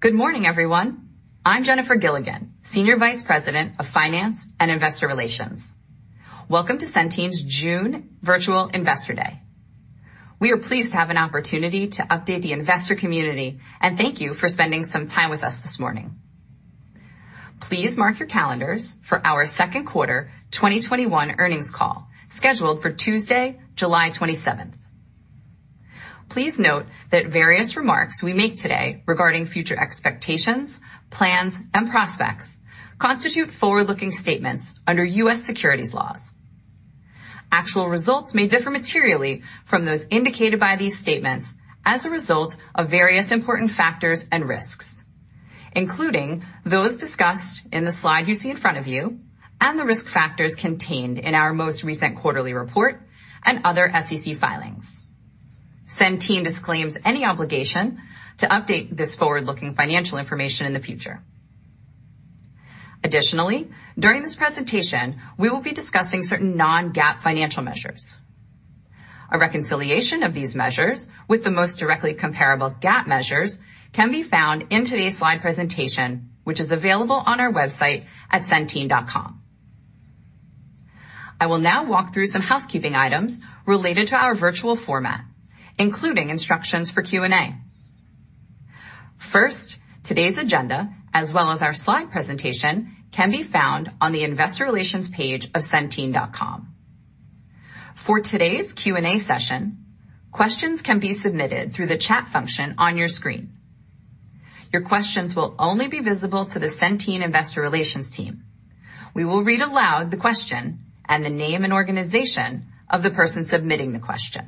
Good morning, everyone. I'm Jennifer Gilligan, Senior Vice President of Finance and Investor Relations. Welcome to Centene's June Virtual Investor Day. We are pleased to have an opportunity to update the investor community, and thank you for spending some time with us this morning. Please mark your calendars for our second quarter 2021 earnings call, scheduled for Tuesday, July 27th. Please note that various remarks we make today regarding future expectations, plans, and prospects constitute forward-looking statements under U.S. securities laws. Actual results may differ materially from those indicated by these statements as a result of various important factors and risks, including those discussed in the slide you see in front of you and the risk factors contained in our most recent quarterly report and other SEC filings. Centene disclaims any obligation to update this forward-looking financial information in the future. Additionally, during this presentation, we will be discussing certain non-GAAP financial measures. A reconciliation of these measures with the most directly comparable GAAP measures can be found in today's slide presentation, which is available on our website at centene.com. I will now walk through some housekeeping items related to our virtual format, including instructions for Q&A. First, today's agenda, as well as our slide presentation, can be found on the investor relations page of centene.com. For today's Q&A session, questions can be submitted through the chat function on your screen. Your questions will only be visible to the Centene investor relations team. We will read aloud the question and the name and organization of the person submitting the question.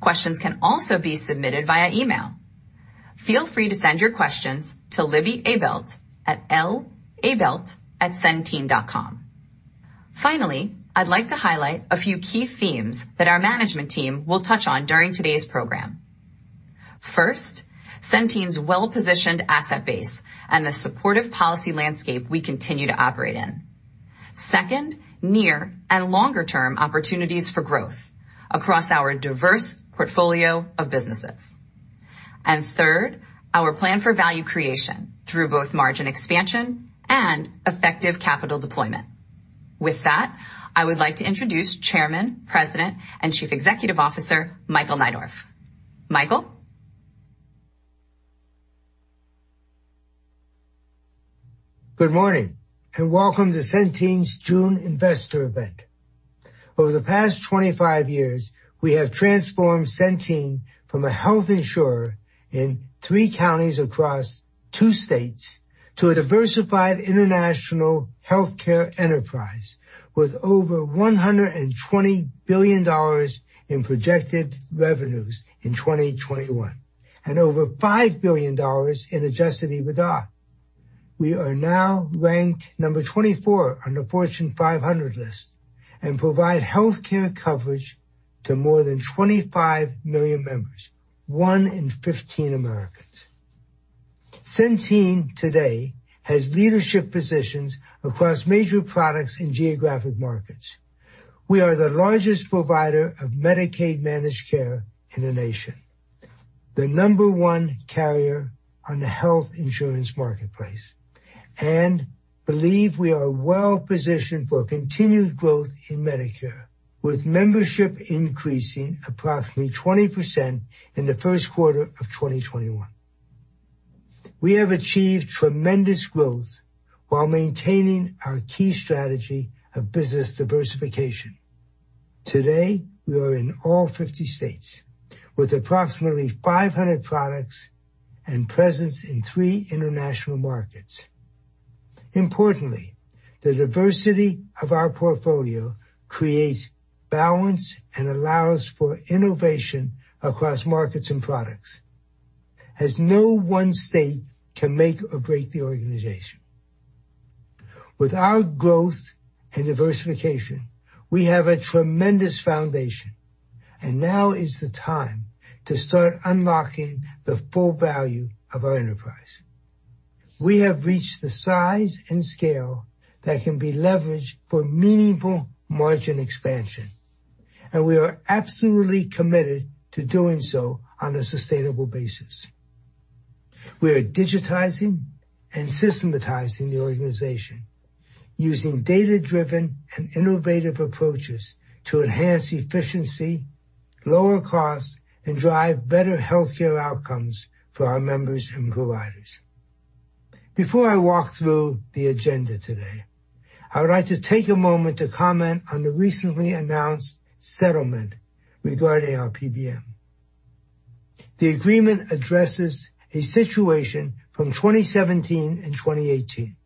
Questions can also be submitted via email. Feel free to send your questions to Libby Abelt at labelt@centene.com. Finally, I'd like to highlight a few key themes that our management team will touch on during today's program. First, Centene's well-positioned asset base and the supportive policy landscape we continue to operate in. Second, near and longer-term opportunities for growth across our diverse portfolio of businesses. Third, our plan for value creation through both margin expansion and effective capital deployment. With that, I would like to introduce Chairman, President, and Chief Executive Officer, Michael Neidorff. Michael? Good morning, and welcome to Centene's June investor event. Over the past 25 years, we have transformed Centene from a health insurer in three countries across two states to a diversified international healthcare enterprise with over $120 billion in projected revenues in 2021 and over $5 billion in adjusted EBITDA. We are now ranked number 24 on the Fortune 500 list and provide healthcare coverage to more than 25 million members, one in 15 Americans. Centene today has leadership positions across major products and geographic markets. We are the largest provider of Medicaid managed care in the nation, the number one carrier on the Health Insurance Marketplace, and believe we are well-positioned for continued growth in Medicare, with membership increasing approximately 20% in the first quarter of 2021. We have achieved tremendous growth while maintaining our key strategy of business diversification. Today, we are in all 50 states with approximately 500 products and presence in three international markets. Importantly, the diversity of our portfolio creates balance and allows for innovation across markets and products, as no one state can make or break the organization. With our growth and diversification, we have a tremendous foundation, and now is the time to start unlocking the full value of our enterprise. We have reached the size and scale that can be leveraged for meaningful margin expansion, and we are absolutely committed to doing so on a sustainable basis. We are digitizing and systematizing the organization using data-driven and innovative approaches to enhance efficiency, lower costs, and drive better healthcare outcomes for our members and providers. Before I walk through the agenda today, I would like to take a moment to comment on the recently announced settlement regarding our PBM. The agreement addresses a situation from 2017 and 2018.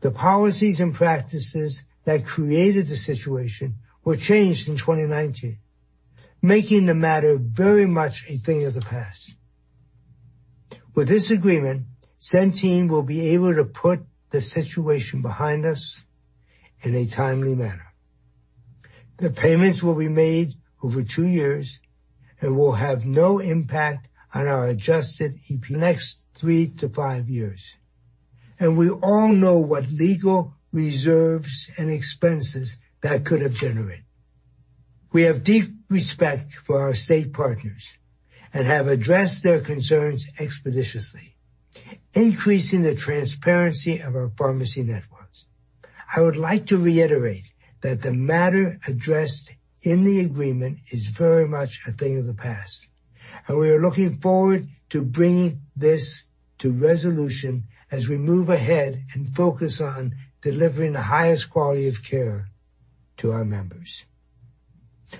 The policies and practices that created the situation were changed in 2019, making the matter very much a thing of the past. With this agreement, Centene will be able to put the situation behind us in a timely manner. The payments will be made over two years and will have no impact on our adjusted diluted EPS. Next three to five years, we all know what legal reserves and expenses that could have generated. We have deep respect for our state partners and have addressed their concerns expeditiously, increasing the transparency of our pharmacy networks. I would like to reiterate that the matter addressed in the agreement is very much a thing of the past, and we are looking forward to bringing this to resolution as we move ahead and focus on delivering the highest quality of care to our members.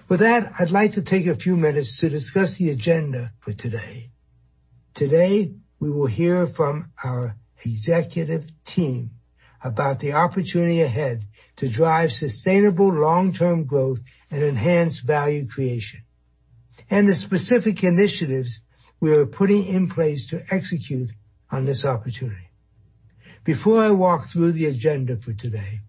With that, I'd like to take a few minutes to discuss the agenda for today. Today, we will hear from our executive team about the opportunity ahead to drive sustainable long-term growth and enhance value creation, and the specific initiatives we are putting in place to execute on this opportunity. Before I walk through the agenda for today,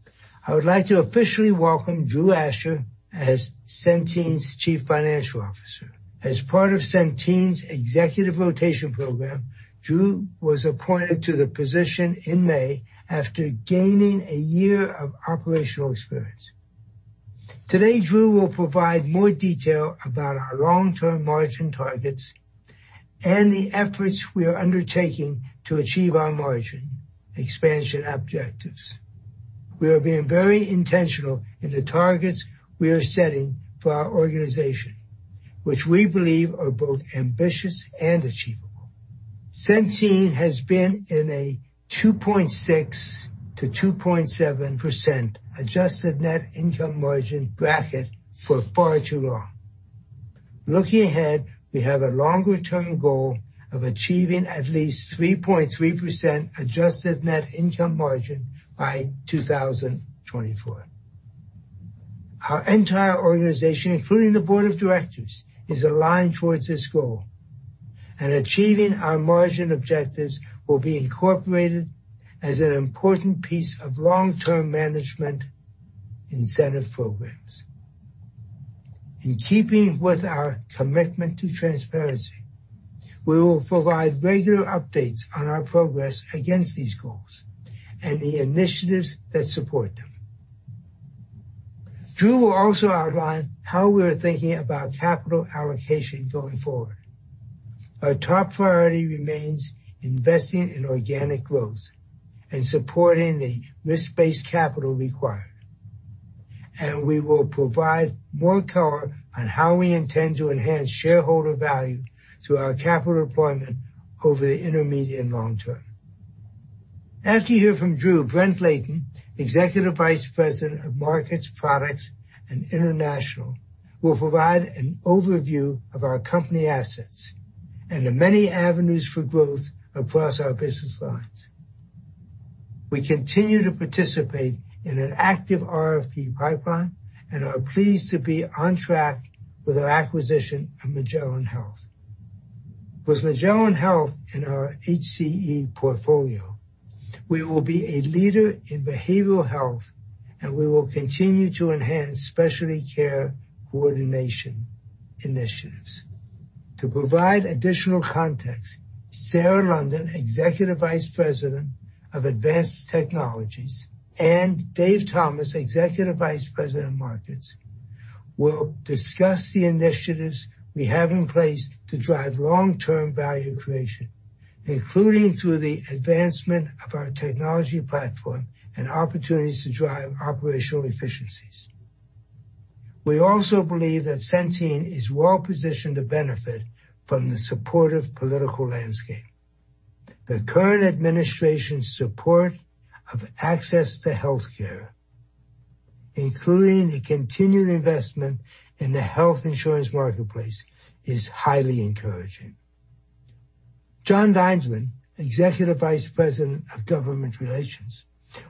I would like to officially welcome Drew Asher as Centene's Chief Financial Officer. As part of Centene's executive rotation program, Drew was appointed to the position in May after gaining a year of operational experience. Today, Drew will provide more detail about our long-term margin targets and the efforts we are undertaking to achieve our margin expansion objectives. We are being very intentional in the targets we are setting for our organization, which we believe are both ambitious and achievable. Centene has been in a 2.6%-2.7% adjusted net income margin bracket for far too long. Looking ahead, we have a longer-term goal of achieving at least 3.3% adjusted net income margin by 2024. Our entire organization, including the board of directors, is aligned towards this goal, and achieving our margin objectives will be incorporated as an important piece of long-term management incentive programs. In keeping with our commitment to transparency, we will provide regular updates on our progress against these goals and the initiatives that support them. Drew will also outline how we're thinking about capital allocation going forward. Our top priority remains investing in organic growth and supporting the risk-based capital required, and we will provide more color on how we intend to enhance shareholder value through our capital deployment over the intermediate and long term. After you hear from Drew, Brent Layton, Executive Vice President of Markets, Products, and International, will provide an overview of our company assets and the many avenues for growth across our business lines. We continue to participate in an active RFP pipeline and are pleased to be on track with our acquisition of Magellan Health. With Magellan Health in our HCE portfolio, we will be a leader in behavioral health, and we will continue to enhance specialty care coordination initiatives. To provide additional context, Sarah London, Executive Vice President of Advanced Technologies, and Dave Thomas, Executive Vice President of Markets, will discuss the initiatives we have in place to drive long-term value creation, including through the advancement of our technology platform and opportunities to drive operational efficiencies. We also believe that Centene is well positioned to benefit from the supportive political landscape. The current administration's support of access to healthcare, including the continued investment in the Health Insurance Marketplace, is highly encouraging. Jon Dinesman, Executive Vice President of Government Relations,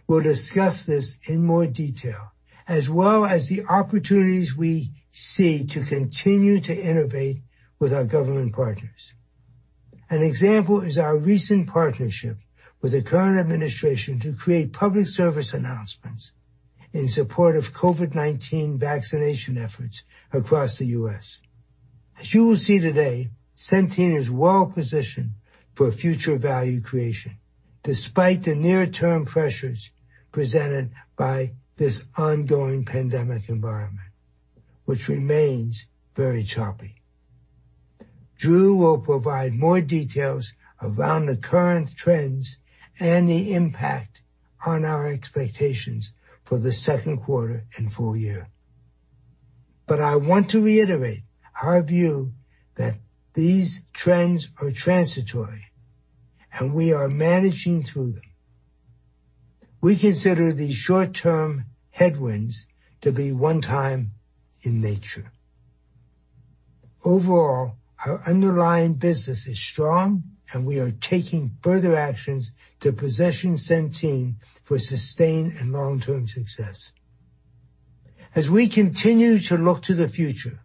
will discuss this in more detail, as well as the opportunities we see to continue to innovate with our government partners. An example is our recent partnership with the current administration to create public service announcements in support of COVID-19 vaccination efforts across the U.S. As you will see today, Centene is well positioned for future value creation, despite the near-term pressures presented by this ongoing pandemic environment, which remains very choppy. Drew will provide more details around the current trends and the impact on our expectations for the second quarter and full year. I want to reiterate our view that these trends are transitory, and we are managing through them. We consider these short-term headwinds to be one-time in nature. Overall, our underlying business is strong, and we are taking further actions to position Centene for sustained and long-term success. As we continue to look to the future,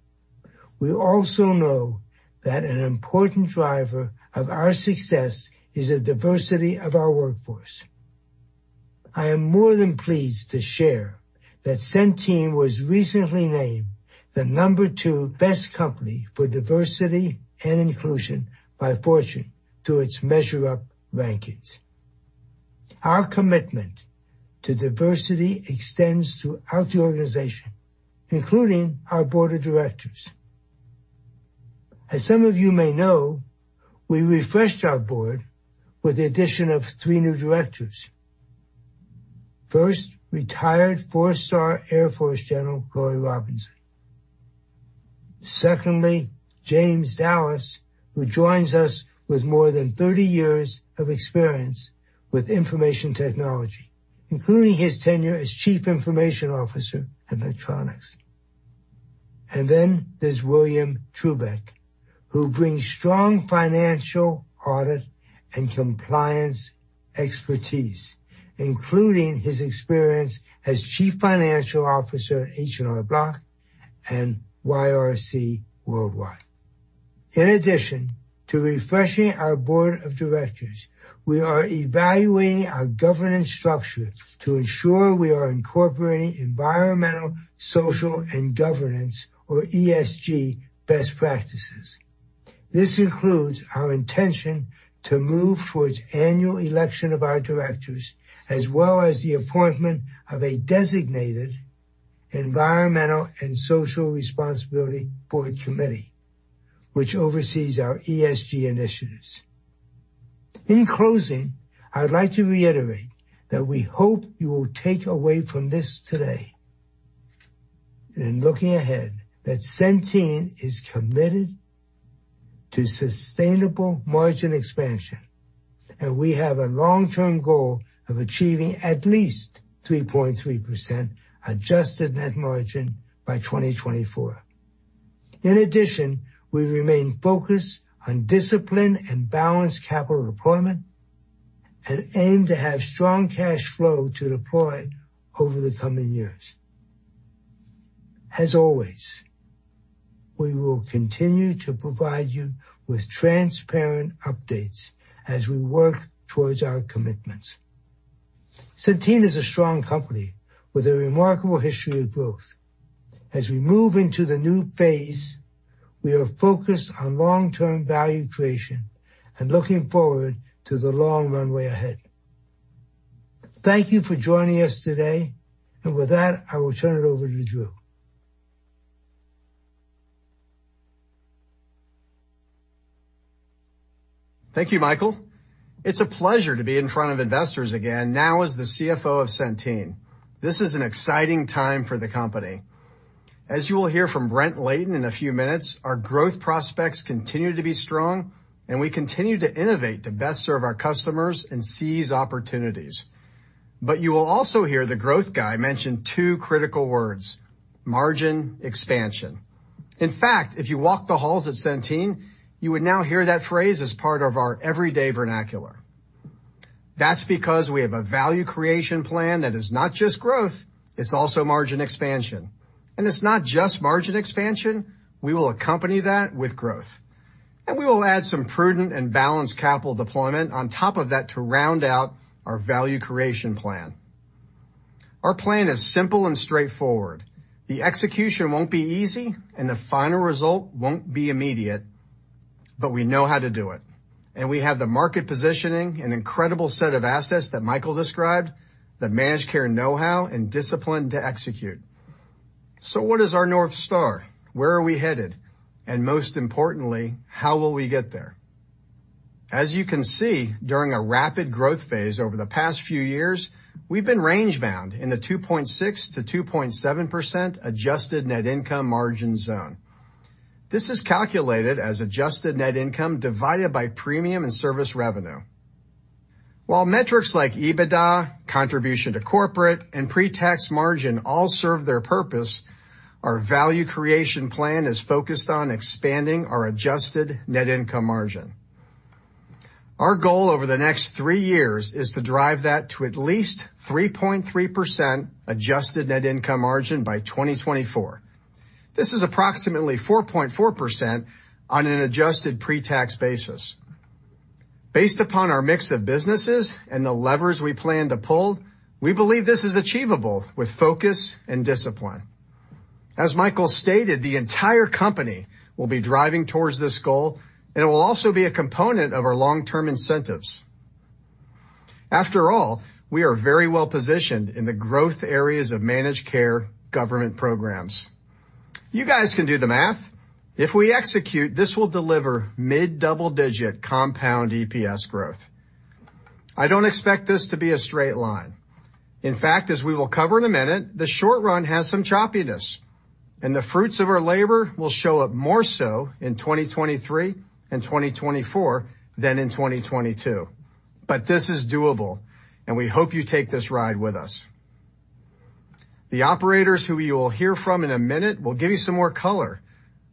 we also know that an important driver of our success is the diversity of our workforce. I am more than pleased to share that Centene was recently named the number two best company for diversity and inclusion by Fortune through its Measure Up rankings. Our commitment to diversity extends throughout the organization, including our board of directors. As some of you may know, we refreshed our board with the addition of three new directors. First, retired 4-star Air Force General Lori Robinson. Secondly, H. James Dallas, who joins us with more than 30 years of experience with information technology, including his tenure as Chief Information Officer at Electronics. There's William Trubeck, who brings strong financial, audit, and compliance expertise, including his experience as chief financial officer at H&R Block and YRC Worldwide. In addition to refreshing our board of directors, we are evaluating our governance structure to ensure we are incorporating environmental, social, and governance, or ESG, best practices. This includes our intention to move towards annual election of our directors, as well as the appointment of a designated environmental and social responsibility board committee, which oversees our ESG initiatives. In closing, I'd like to reiterate that we hope you will take away from this today, in looking ahead, that Centene is committed to sustainable margin expansion, and we have a long-term goal of achieving at least 3.3% adjusted net margin by 2024. In addition, we remain focused on discipline and balanced capital deployment and aim to have strong cash flow to deploy over the coming years. As always, we will continue to provide you with transparent updates as we work towards our commitments. Centene is a strong company with a remarkable history of growth. As we move into the new phase, we are focused on long-term value creation and looking forward to the long runway ahead. Thank you for joining us today, and with that, I will turn it over to Drew. Thank you, Michael. It's a pleasure to be in front of investors again, now as the CFO of Centene. This is an exciting time for the company. As you will hear from Brent Layton in a few minutes, our growth prospects continue to be strong, and we continue to innovate to best serve our customers and seize opportunities. You will also hear the growth guy mention two critical words, margin expansion. In fact, if you walk the halls at Centene, you would now hear that phrase as part of our everyday vernacular. That's because we have a Centene Value Creation Plan that is not just growth, it's also margin expansion. It's not just margin expansion, we will accompany that with growth. We will add some prudent and balanced capital deployment on top of that to round out our Centene Value Creation Plan. Our plan is simple and straightforward. The execution won't be easy, the final result won't be immediate, we know how to do it. We have the market positioning, an incredible set of assets that Michael described, the managed care know-how, and discipline to execute. What is our North Star? Where are we headed? Most importantly, how will we get there? As you can see, during a rapid growth phase over the past few years, we've been range-bound in the 2.6%-2.7% adjusted net income margin zone. This is calculated as adjusted net income divided by premium and service revenue. While metrics like EBITDA, contribution to corporate, and pre-tax margin all serve their purpose, our Value Creation Plan is focused on expanding our adjusted net income margin. Our goal over the next three years is to drive that to at least 3.3% adjusted net income margin by 2024. This is approximately 4.4% on an adjusted pre-tax basis. Based upon our mix of businesses and the levers we plan to pull, we believe this is achievable with focus and discipline. As Michael stated, the entire company will be driving towards this goal, and it will also be a component of our long-term incentives. After all, we are very well-positioned in the growth areas of managed care government programs. You guys can do the math. If we execute, this will deliver mid-double-digit compound EPS growth. I don't expect this to be a straight line. In fact, as we will cover in a minute, the short run has some choppiness, and the fruits of our labor will show up more so in 2023 and 2024 than in 2022. This is doable, and we hope you take this ride with us. The operators who you will hear from in a minute will give you some more color,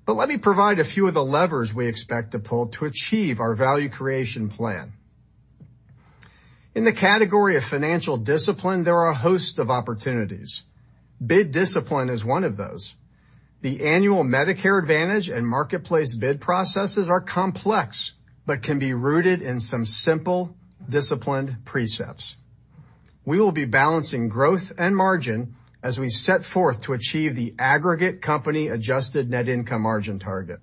but let me provide a few of the levers we expect to pull to achieve our Centene Value Creation Plan. In the category of financial discipline, there are a host of opportunities. Bid discipline is one of those. The annual Medicare Advantage and Marketplace bid processes are complex, but can be rooted in some simple, disciplined precepts. We will be balancing growth and margin as we set forth to achieve the aggregate company adjusted net income margin target.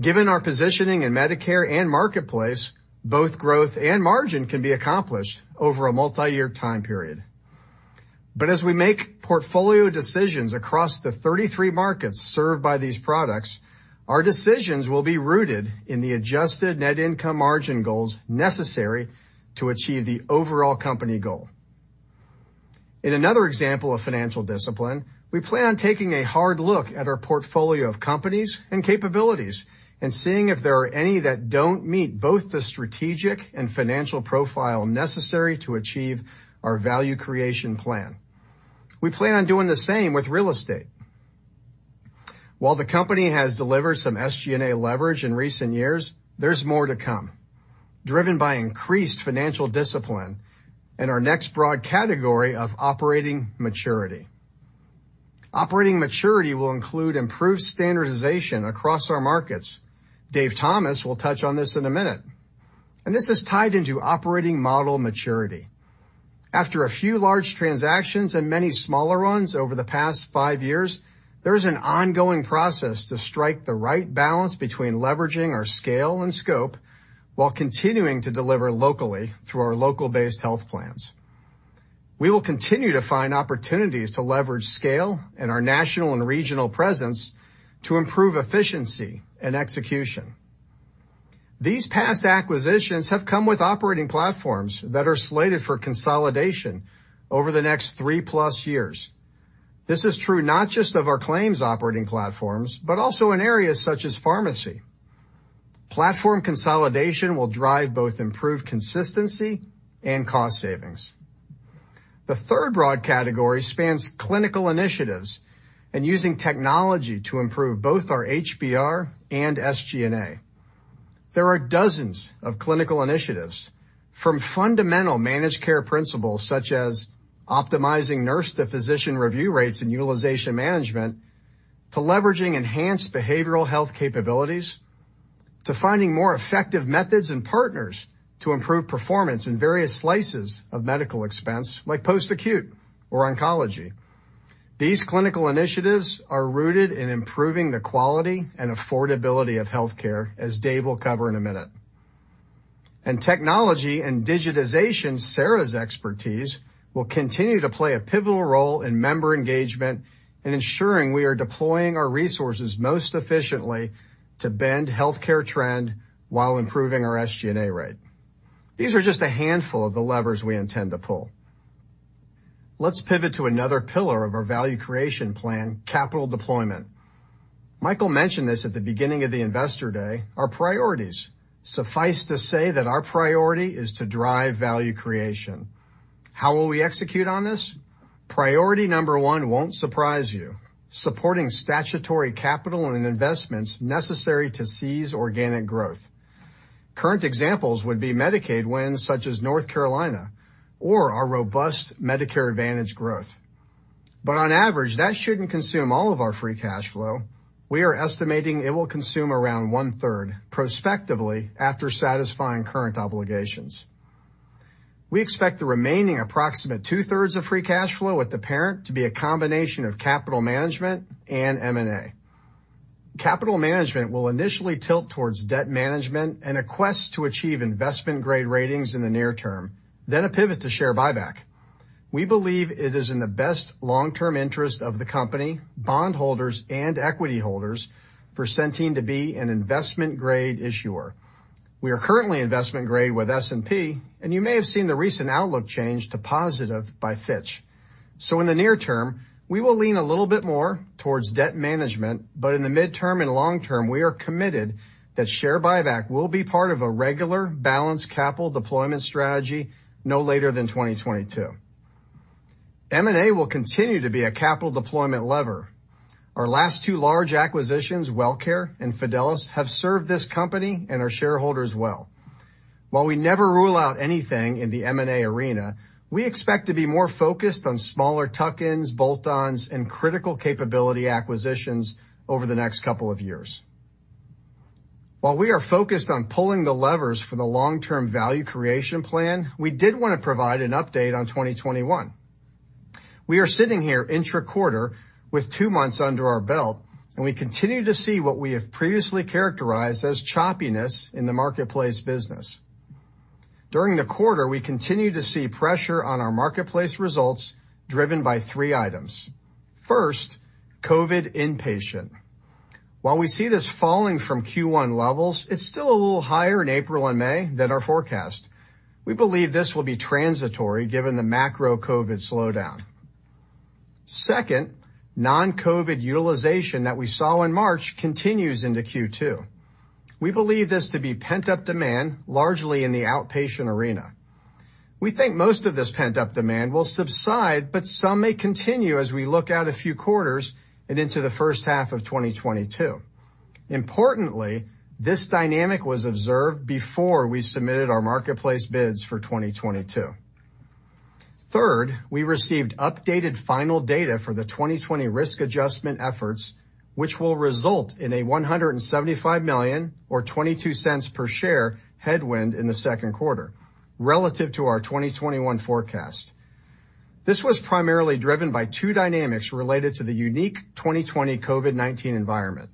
Given our positioning in Medicare and Marketplace, both growth and margin can be accomplished over a multi-year time period. As we make portfolio decisions across the 33 markets served by these products, our decisions will be rooted in the adjusted net income margin goals necessary to achieve the overall company goal. In another example of financial discipline, we plan on taking a hard look at our portfolio of companies and capabilities and seeing if there are any that don't meet both the strategic and financial profile necessary to achieve our Centene Value Creation Plan. We plan on doing the same with real estate. While the company has delivered some SG&A leverage in recent years, there's more to come, driven by increased financial discipline and our next broad category of operating maturity. Operating maturity will include improved standardization across our markets. Dave Thomas will touch on this in a minute. This is tied into operating model maturity. After a few large transactions and many smaller ones over the past five years, there's an ongoing process to strike the right balance between leveraging our scale and scope while continuing to deliver locally through our local-based health plans. We will continue to find opportunities to leverage scale and our national and regional presence to improve efficiency and execution. These past acquisitions have come with operating platforms that are slated for consolidation over the next 3+ years. This is true not just of our claims operating platforms, but also in areas such as pharmacy. Platform consolidation will drive both improved consistency and cost savings. The third broad category spans clinical initiatives and using technology to improve both our HBR and SG&A. There are dozens of clinical initiatives, from fundamental managed care principles such as optimizing nurse-to-physician review rates and utilization management, to leveraging enhanced behavioral health capabilities, to finding more effective methods and partners to improve performance in various slices of medical expense, like post-acute or oncology. These clinical initiatives are rooted in improving the quality and affordability of healthcare, as Dave will cover in a minute. Technology and digitization, Sarah's expertise, will continue to play a pivotal role in member engagement and ensuring we are deploying our resources most efficiently to bend healthcare trend while improving our SG&A rate. These are just a handful of the levers we intend to pull. Let's pivot to another pillar of our value creation plan, capital deployment. Michael mentioned this at the beginning of the Investor Day, our priorities. Suffice to say that our priority is to drive value creation. How will we execute on this? Priority number one won't surprise you, supporting statutory capital and investments necessary to seize organic growth. Current examples would be Medicaid wins such as North Carolina or our robust Medicare Advantage growth. On average, that shouldn't consume all of our free cash flow. We are estimating it will consume around 1/3, prospectively, after satisfying current obligations. We expect the remaining approximate 2/3 of free cash flow with the parent to be a combination of capital management and M&A. Capital management will initially tilt towards debt management and a quest to achieve investment-grade ratings in the near term, then a pivot to share buyback. We believe it is in the best long-term interest of the company, bondholders, and equity holders for Centene to be an investment-grade issuer. We are currently investment grade with S&P, and you may have seen the recent outlook change to positive by Fitch. In the near term, we will lean a little bit more towards debt management, but in the midterm and long term, we are committed that share buyback will be part of a regular balanced capital deployment strategy no later than 2022. M&A will continue to be a capital deployment lever. Our last two large acquisitions, WellCare and Fidelis, have served this company and our shareholders well. While we never rule out anything in the M&A arena, we expect to be more focused on smaller tuck-ins, bolt-ons, and critical capability acquisitions over the next couple of years. While we are focused on pulling the levers for the long-term value creation plan, we did want to provide an update on 2021. We are sitting here intra-quarter with two months under our belt. We continue to see what we have previously characterized as choppiness in the Marketplace business. During the quarter, we continue to see pressure on our Marketplace results driven by three items. First, COVID inpatient. While we see this falling from Q1 levels, it's still a little higher in April and May than our forecast. We believe this will be transitory given the macro COVID slowdown. Second, non-COVID utilization that we saw in March continues into Q2. We believe this to be pent-up demand, largely in the outpatient arena. We think most of this pent-up demand will subside, but some may continue as we look out a few quarters and into the first half of 2022. Importantly, this dynamic was observed before we submitted our Marketplace bids for 2022. Third, we received updated final data for the 2020 risk adjustment efforts, which will result in a $175 million, or $0.22 per share headwind in the second quarter relative to our 2021 forecast. This was primarily driven by two dynamics related to the unique 2020 COVID-19 environment.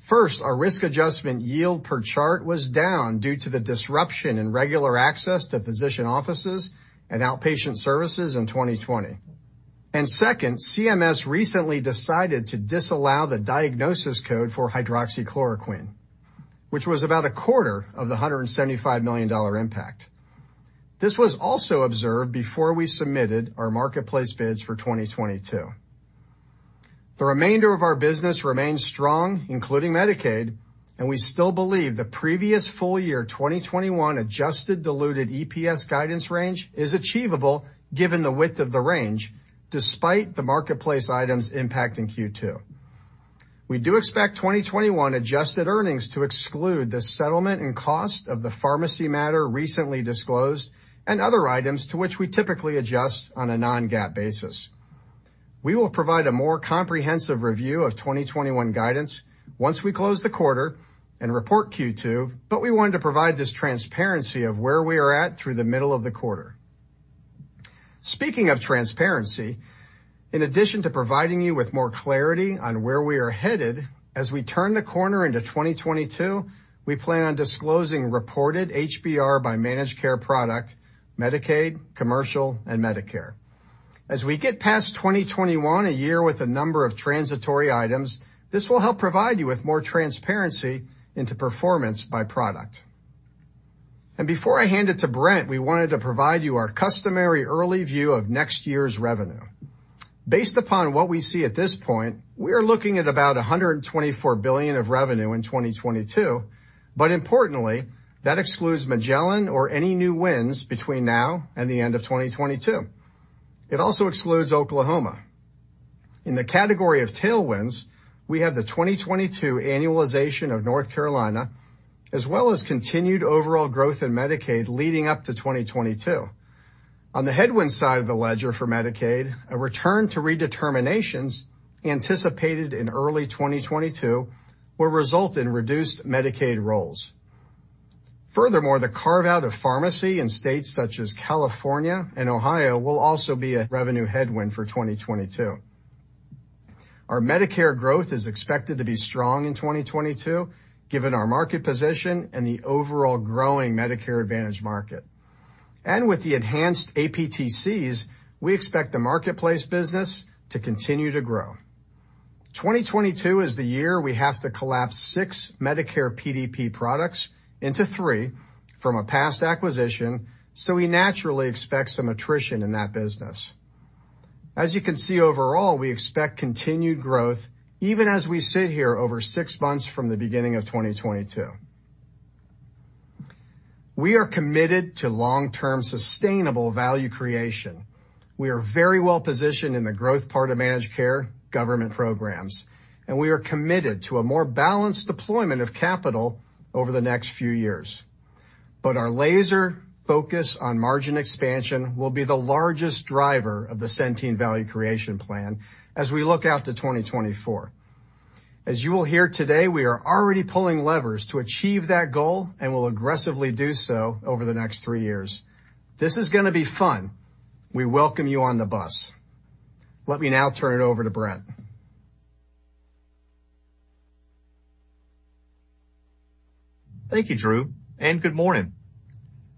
First, our risk adjustment yield per chart was down due to the disruption in regular access to physician offices and outpatient services in 2020. Second, CMS recently decided to disallow the diagnosis code for hydroxychloroquine, which was about a quarter of the $175 million impact. This was also observed before we submitted our marketplace bids for 2022. The remainder of our business remains strong, including Medicaid, and we still believe the previous full year 2021 adjusted diluted EPS guidance range is achievable given the width of the range, despite the marketplace items impact in Q2. We do expect 2021 adjusted earnings to exclude the settlement and cost of the pharmacy matter recently disclosed and other items to which we typically adjust on a non-GAAP basis. We will provide a more comprehensive review of 2021 guidance once we close the quarter and report Q2, but we wanted to provide this transparency of where we are at through the middle of the quarter. Speaking of transparency, in addition to providing you with more clarity on where we are headed, as we turn the corner into 2022, we plan on disclosing reported HBR by managed care product, Medicaid, commercial, and Medicare. As we get past 2021, a year with a number of transitory items, this will help provide you with more transparency into performance by product. Before I hand it to Brent, we wanted to provide you our customary early view of next year's revenue. Based upon what we see at this point, we are looking at about $124 billion of revenue in 2022, but importantly, that excludes Magellan or any new wins between now and the end of 2022. It also excludes Oklahoma. In the category of tailwinds, we have the 2022 annualization of North Carolina, as well as continued overall growth in Medicaid leading up to 2022. On the headwind side of the ledger for Medicaid, a return to redeterminations anticipated in early 2022 will result in reduced Medicaid rolls. Furthermore, the carve-out of pharmacy in states such as California and Ohio will also be a revenue headwind for 2022. Our Medicare growth is expected to be strong in 2022, given our market position and the overall growing Medicare Advantage market. With the enhanced APTCs, we expect the Marketplace business to continue to grow. 2022 is the year we have to collapse six Medicare PDP products into three from a past acquisition. We naturally expect some attrition in that business. As you can see overall, we expect continued growth even as we sit here over six months from the beginning of 2022. We are committed to long-term sustainable value creation. We are very well positioned in the growth part of managed care government programs, and we are committed to a more balanced deployment of capital over the next few years. Our laser focus on margin expansion will be the largest driver of the Centene Value Creation Plan as we look out to 2024. As you will hear today, we are already pulling levers to achieve that goal and will aggressively do so over the next three years. This is going to be fun. We welcome you on the bus. Let me now turn it over to Brent. Thank you, Drew. Good morning.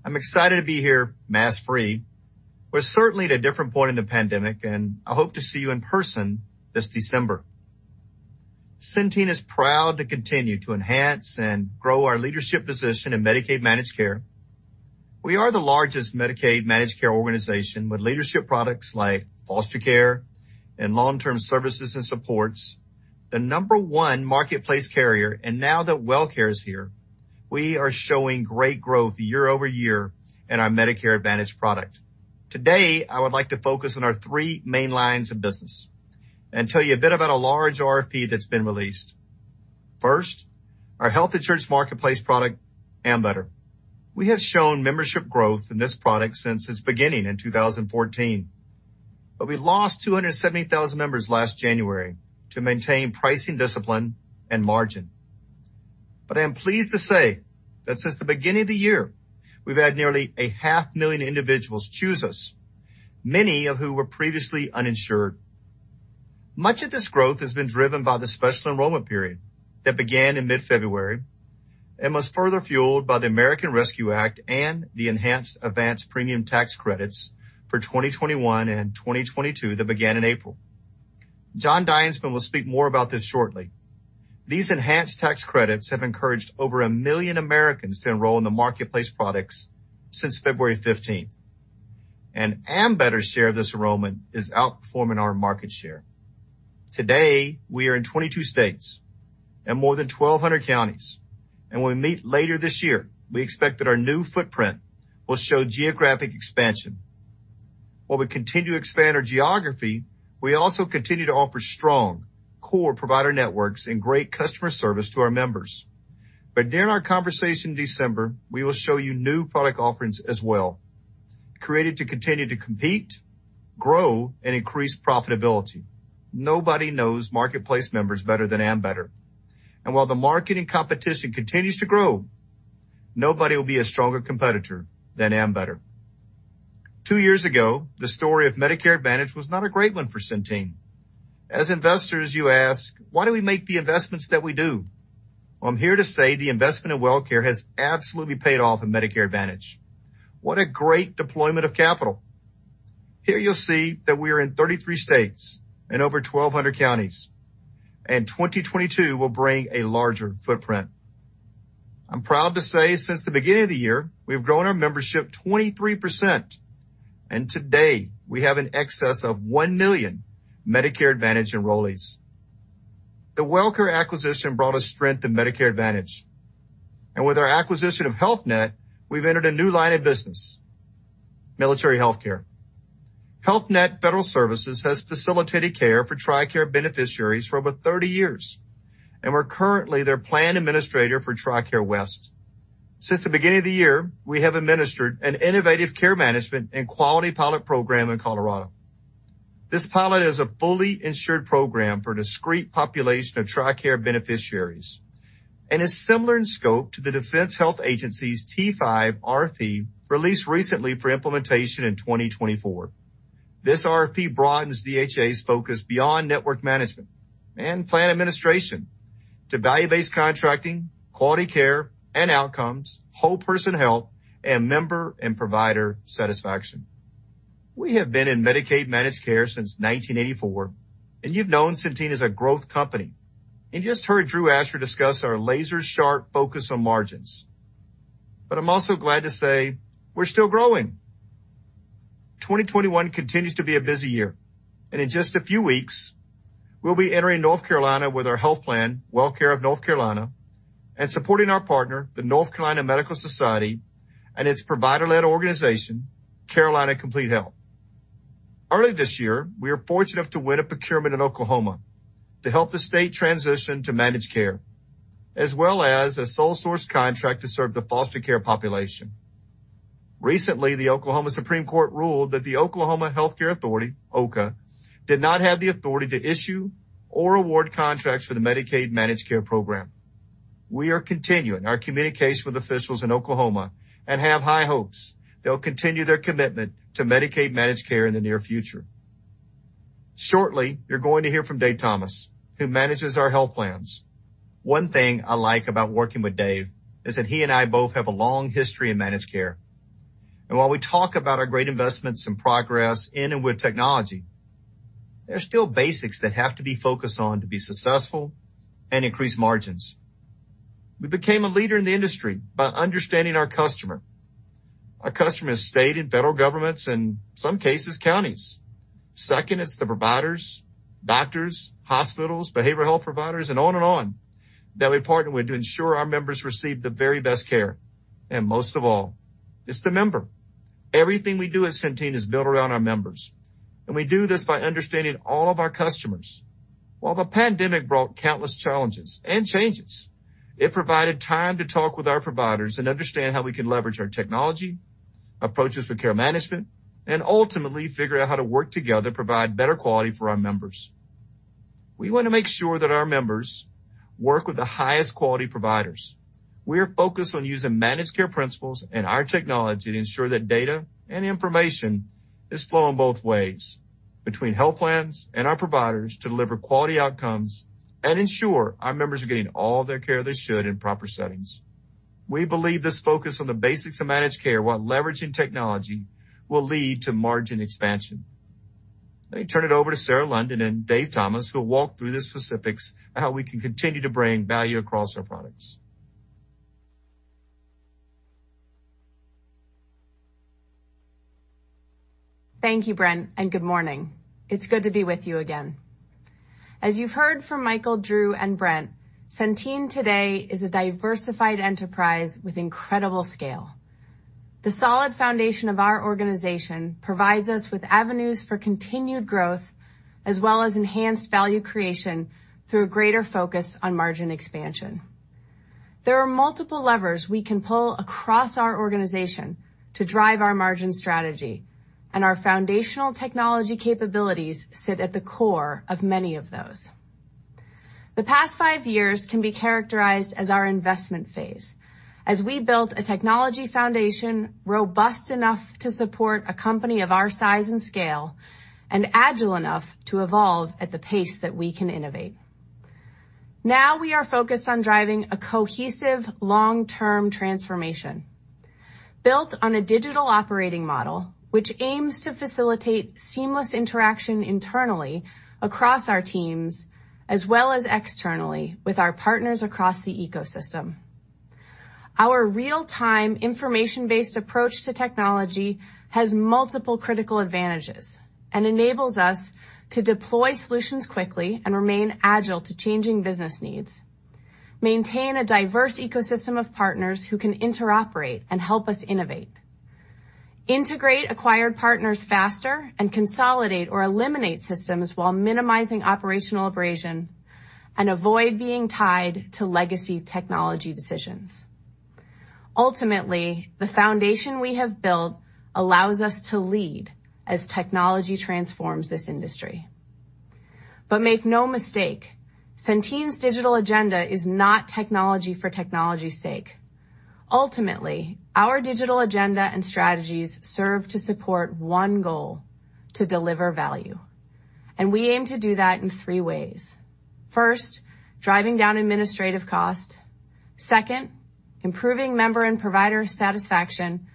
I'm excited to be here mask-free. We're certainly at a different point in the pandemic, and I hope to see you in person this December. Centene is proud to continue to enhance and grow our leadership position in Medicaid managed care. We are the largest Medicaid managed care organization with leadership products like Foster Care and Long-Term Services and Supports, the number one marketplace carrier, and now that WellCare is here, we are showing great growth year-over-year in our Medicare Advantage product. Today, I would like to focus on our three main lines of business and tell you a bit about a large RFP that's been released. First, our Health Insurance Marketplace product, Ambetter. We have shown membership growth in this product since its beginning in 2014. We lost 270,000 members last January to maintain pricing discipline and margin. I am pleased to say that since the beginning of the year, we've had nearly a half million individuals choose us, many of who were previously uninsured. Much of this growth has been driven by the special enrollment period that began in mid-February and was further fueled by the American Rescue Act and the enhanced advance premium tax credits for 2021 and 2022 that began in April. Jon Dinesman will speak more about this shortly. These enhanced tax credits have encouraged over 1 million Americans to enroll in the marketplace products since February 15th, and Ambetter's share of this enrollment is outperforming our market share. Today, we are in 22 states and more than 1,200 counties. When we meet later this year, we expect that our new footprint will show geographic expansion. While we continue to expand our geography, we also continue to offer strong core provider networks and great customer service to our members. During our conversation in December, we will show you new product offerings as well, created to continue to compete, grow, and increase profitability. Nobody knows marketplace members better than Ambetter. While the market and competition continues to grow, nobody will be a stronger competitor than Ambetter. Two years ago, the story of Medicare Advantage was not a great one for Centene. As investors, you ask, why do we make the investments that we do? Well, I'm here to say the investment in WellCare has absolutely paid off in Medicare Advantage. What a great deployment of capital. Here, you'll see that we are in 33 states and over 1,200 counties, and 2022 will bring a larger footprint. I'm proud to say since the beginning of the year, we've grown our membership 23%, and today, we have in excess of 1 million Medicare Advantage enrollees. The WellCare acquisition brought us strength in Medicare Advantage. With our acquisition of Health Net, we've entered a new line of business, military healthcare. Health Net Federal Services has facilitated care for TRICARE beneficiaries for over 30 years, and we're currently their plan administrator for TRICARE West. Since the beginning of the year, we have administered an innovative care management and quality pilot program in Colorado. This pilot is a fully insured program for a discrete population of TRICARE beneficiaries and is similar in scope to the Defense Health Agency's T5 RFP released recently for implementation in 2024. This RFP broadens DHA's focus beyond network management and plan administration to value-based contracting, quality care and outcomes, whole person health, and member and provider satisfaction. We have been in Medicaid managed care since 1984, you've known Centene as a growth company. You just heard Drew Asher discuss our laser-sharp focus on margins. I'm also glad to say we're still growing. 2021 continues to be a busy year, in just a few weeks, we'll be entering North Carolina with our health plan, WellCare of North Carolina, and supporting our partner, the North Carolina Medical Society, and its provider-led organization, Carolina Complete Health. Early this year, we were fortunate to win a procurement in Oklahoma to help the state transition to managed care, as well as a sole source contract to serve the Foster Care population. Recently, the Oklahoma Supreme Court ruled that the Oklahoma Health Care Authority, OHCA, did not have the authority to issue or award contracts for the Medicaid managed care program. We are continuing our communication with officials in Oklahoma and have high hopes they'll continue their commitment to Medicaid managed care in the near future. Shortly, you're going to hear from Dave Thomas, who manages our health plans. One thing I like about working with Dave is that he and I both have a long history in managed care. While we talk about our great investments and progress in and with technology, there's still basics that have to be focused on to be successful and increase margins. We became a leader in the industry by understanding our customer. Our customer is state and federal governments, and in some cases, counties. Second, it's the providers, doctors, hospitals, behavioral health providers, and on and on, that we partner with to ensure our members receive the very best care. Most of all, it's the member. Everything we do at Centene is built around our members, and we do this by understanding all of our customers. While the pandemic brought countless challenges and changes, it provided time to talk with our providers and understand how we can leverage our technology, approaches for care management, and ultimately figure out how to work together to provide better quality for our members. We want to make sure that our members work with the highest quality providers. We are focused on using managed care principles and our technology to ensure that data and information is flowing both ways between health plans and our providers to deliver quality outcomes and ensure our members are getting all the care they should in proper settings. We believe this focus on the basics of managed care while leveraging technology will lead to margin expansion. Let me turn it over to Sarah London and Dave Thomas, who will walk through the specifics of how we can continue to bring value across our products. Thank you, Brent, and good morning. It's good to be with you again. As you've heard from Michael, Drew, and Brent, Centene today is a diversified enterprise with incredible scale. The solid foundation of our organization provides us with avenues for continued growth as well as enhanced value creation through a greater focus on margin expansion. There are multiple levers we can pull across our organization to drive our margin strategy, and our foundational technology capabilities sit at the core of many of those. The past five years can be characterized as our investment phase, as we built a technology foundation robust enough to support a company of our size and scale and agile enough to evolve at the pace that we can innovate. We are focused on driving a cohesive long-term transformation built on a digital operating model, which aims to facilitate seamless interaction internally across our teams, as well as externally with our partners across the ecosystem. Our real-time information-based approach to technology has multiple critical advantages and enables us to deploy solutions quickly and remain agile to changing business needs, maintain a diverse ecosystem of partners who can interoperate and help us innovate, integrate acquired partners faster and consolidate or eliminate systems while minimizing operational abrasion, and avoid being tied to legacy technology decisions. Ultimately, the foundation we have built allows us to lead as technology transforms this industry. Make no mistake, Centene's digital agenda is not technology for technology's sake. Ultimately, our digital agenda and strategies serve to support one goal, to deliver value, and we aim to do that in three ways. First, driving down administrative cost. Second, improving member and provider satisfaction,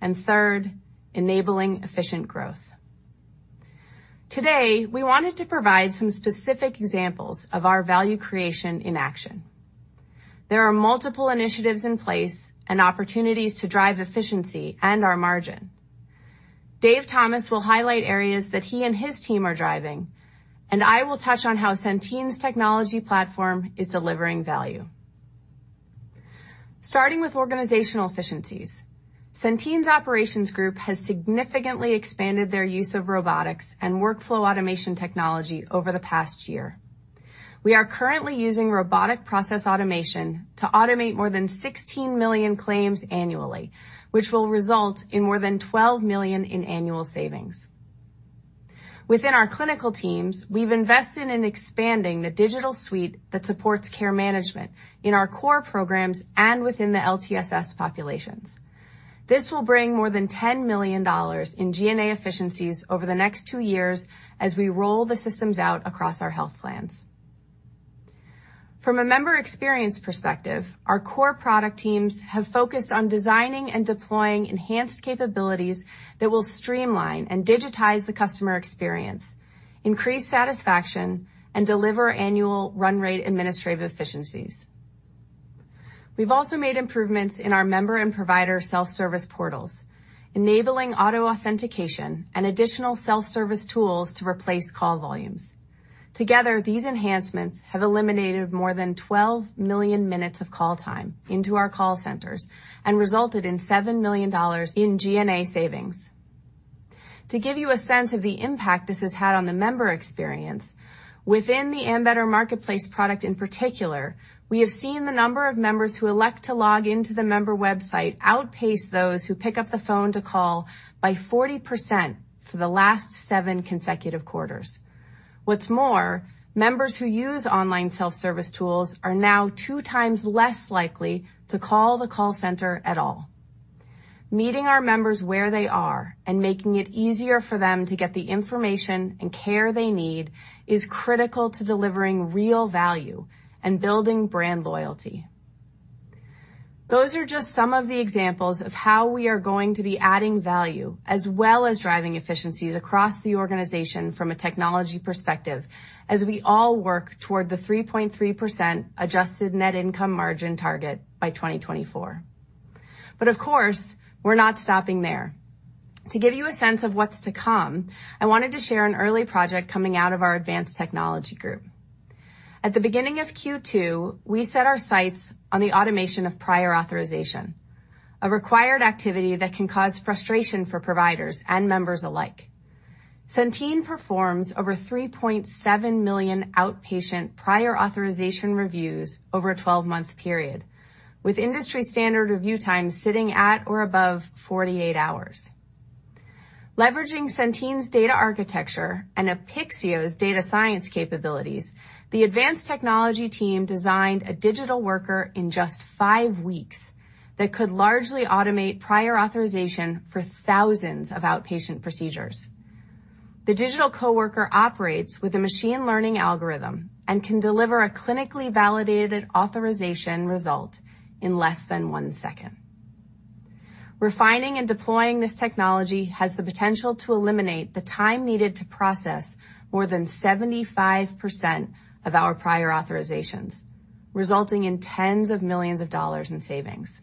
and third, enabling efficient growth. Today, we wanted to provide some specific examples of our value creation in action. There are multiple initiatives in place and opportunities to drive efficiency and our margin. David Thomas will highlight areas that he and his team are driving, and I will touch on how Centene's technology platform is delivering value. Starting with organizational efficiencies, Centene's operations group has significantly expanded their use of robotics and workflow automation technology over the past year. We are currently using robotic process automation to automate more than 16 million claims annually, which will result in more than $12 million in annual savings. Within our clinical teams, we've invested in expanding the digital suite that supports care management in our core programs and within the LTSS populations. This will bring more than $10 million in G&A efficiencies over the next two years as we roll the systems out across our health plans. From a member experience perspective, our core product teams have focused on designing and deploying enhanced capabilities that will streamline and digitize the customer experience, increase satisfaction, and deliver annual run rate administrative efficiencies. We've also made improvements in our member and provider self-service portals, enabling auto-authentication and additional self-service tools to replace call volumes. Together, these enhancements have eliminated more than 12 million minutes of call time into our call centers and resulted in $7 million in G&A savings. To give you a sense of the impact this has had on the member experience, within the Ambetter Marketplace product in particular, we have seen the number of members who elect to log into the member website outpace those who pick up the phone to call by 40% for the last seven consecutive quarters. Members who use online self-service tools are now two times less likely to call the call center at all. Meeting our members where they are and making it easier for them to get the information and care they need is critical to delivering real value and building brand loyalty. Those are just some of the examples of how we are going to be adding value as well as driving efficiencies across the organization from a technology perspective as we all work toward the 3.3% adjusted net income margin target by 2024. Of course, we're not stopping there. To give you a sense of what's to come, I wanted to share an early project coming out of our advanced technology group. At the beginning of Q2, we set our sights on the automation of prior authorization, a required activity that can cause frustration for providers and members alike. Centene performs over 3.7 million outpatient prior authorization reviews over a 12-month period, with industry-standard review time sitting at or above 48 hours. Leveraging Centene's data architecture and Apixio's data science capabilities, the advanced technology team designed a digital worker in just five weeks that could largely automate prior authorization for thousands of outpatient procedures. The digital coworker operates with a machine learning algorithm and can deliver a clinically validated authorization result in less than one second. Refining and deploying this technology has the potential to eliminate the time needed to process more than 75% of our prior authorizations, resulting in tens of millions of dollars in savings.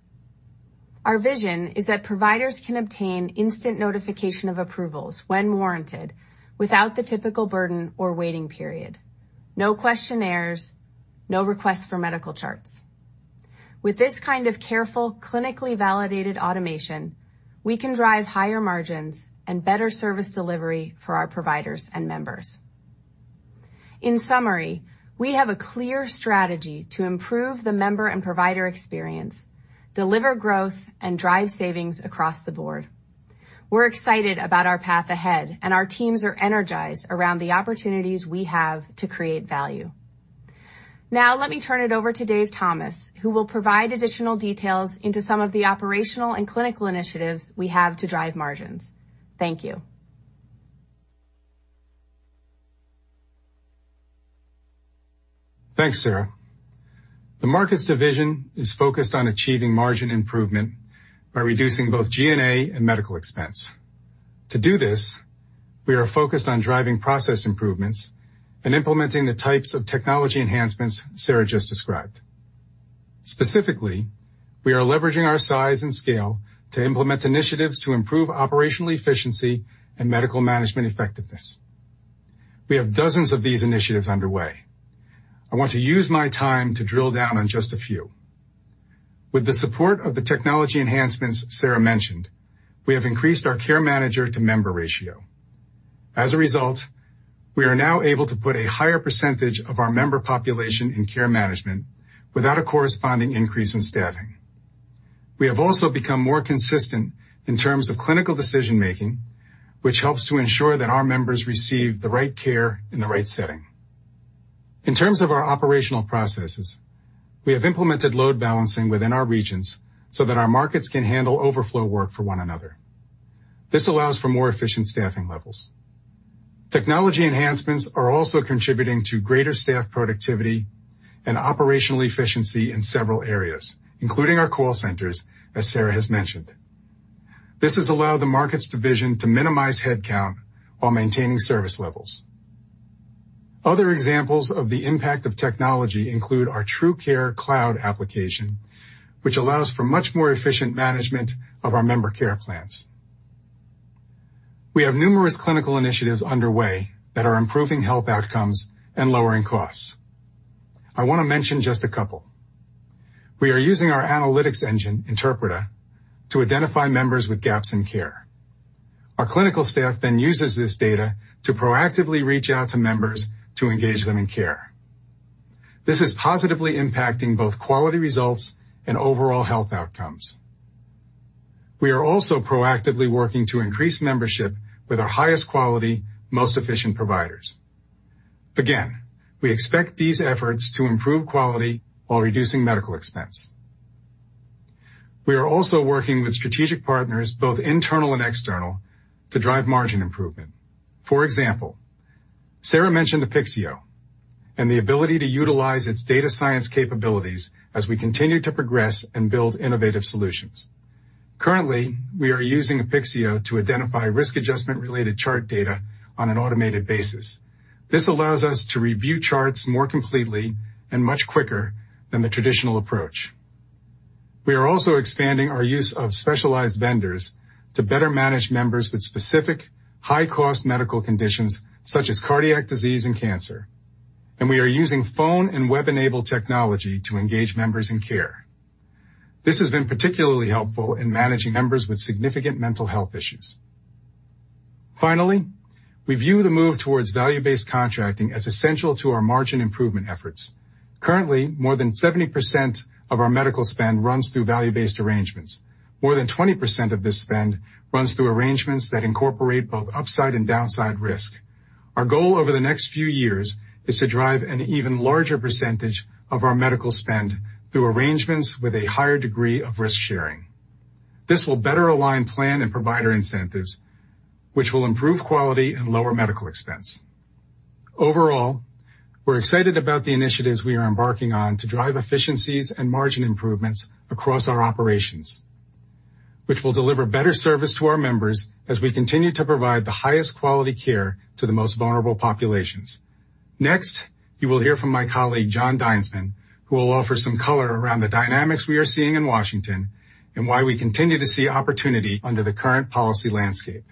Our vision is that providers can obtain instant notification of approvals when warranted without the typical burden or waiting period. No questionnaires, no requests for medical charts. With this kind of careful, clinically validated automation, we can drive higher margins and better service delivery for our providers and members. In summary, we have a clear strategy to improve the member and provider experience, deliver growth, and drive savings across the board. We're excited about our path ahead, and our teams are energized around the opportunities we have to create value. Now let me turn it over to David Thomas, who will provide additional details into some of the operational and clinical initiatives we have to drive margins. Thank you. Thanks, Sarah. The markets division is focused on achieving margin improvement by reducing both G&A and medical expense. To do this, we are focused on driving process improvements and implementing the types of technology enhancements Sarah just described. Specifically, we are leveraging our size and scale to implement initiatives to improve operational efficiency and medical management effectiveness. We have dozens of these initiatives underway. I want to use my time to drill down on just a few. With the support of the technology enhancements Sarah mentioned, we have increased our care manager to member ratio. As a result, we are now able to put a higher percentage of our member population in care management without a corresponding increase in staffing. We have also become more consistent in terms of clinical decision-making, which helps to ensure that our members receive the right care in the right setting. In terms of our operational processes, we have implemented load balancing within our regions so that our markets can handle overflow work for one another. This allows for more efficient staffing levels. Technology enhancements are also contributing to greater staff productivity and operational efficiency in several areas, including our call centers, as Sarah has mentioned. This has allowed the markets division to minimize headcount while maintaining service levels. Other examples of the impact of technology include our TruCare cloud application, which allows for much more efficient management of our member care plans. We have numerous clinical initiatives underway that are improving health outcomes and lowering costs. I want to mention just a couple. We are using our analytics engine, Interpreta, to identify members with gaps in care. Our clinical staff then uses this data to proactively reach out to members to engage them in care. This is positively impacting both quality results and overall health outcomes. We are also proactively working to increase membership with our highest quality, most efficient providers. Again, we expect these efforts to improve quality while reducing medical expense. We are also working with strategic partners, both internal and external, to drive margin improvement. For example, Sarah mentioned Apixio and the ability to utilize its data science capabilities as we continue to progress and build innovative solutions. Currently, we are using Apixio to identify risk adjustment-related chart data on an automated basis. This allows us to review charts more completely and much quicker than the traditional approach. We are also expanding our use of specialized vendors to better manage members with specific high-cost medical conditions such as cardiac disease and cancer, and we are using phone and web-enabled technology to engage members in care. This has been particularly helpful in managing members with significant mental health issues. We view the move towards value-based contracting as essential to our margin improvement efforts. Currently, more than 70% of our medical spend runs through value-based arrangements. More than 20% of this spend runs through arrangements that incorporate both upside and downside risk. Our goal over the next few years is to drive an even larger percentage of our medical spend through arrangements with a higher degree of risk-sharing. This will better align plan and provider incentives, which will improve quality and lower medical expense. Overall, We're excited about the initiatives we are embarking on to drive efficiencies and margin improvements across our operations, which will deliver better service to our members as we continue to provide the highest quality care to the most vulnerable populations. Next, you will hear from my colleague, Jon Dinesman, who will offer some color around the dynamics we are seeing in Washington and why we continue to see opportunity under the current policy landscape.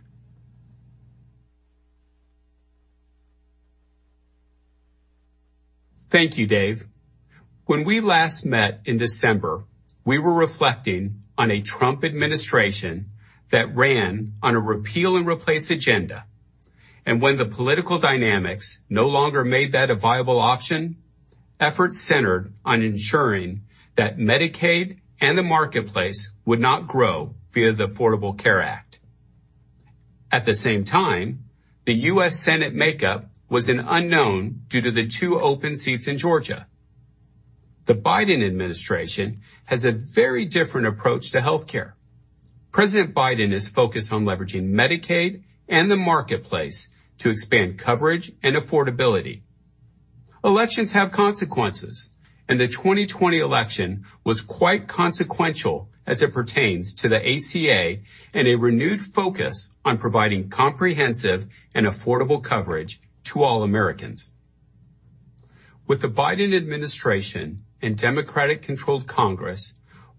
Thank you, Dave. When we last met in December, we were reflecting on a Trump administration that ran on a repeal and replace agenda. When the political dynamics no longer made that a viable option, efforts centered on ensuring that Medicaid and the marketplace would not grow via the Affordable Care Act. At the same time, the U.S. Senate makeup was an unknown due to the two open seats in Georgia. The Biden administration has a very different approach to healthcare. President Biden is focused on leveraging Medicaid and the marketplace to expand coverage and affordability. Elections have consequences, and the 2020 election was quite consequential as it pertains to the ACA and a renewed focus on providing comprehensive and affordable coverage to all Americans. With the Biden administration and Democratic-controlled Congress,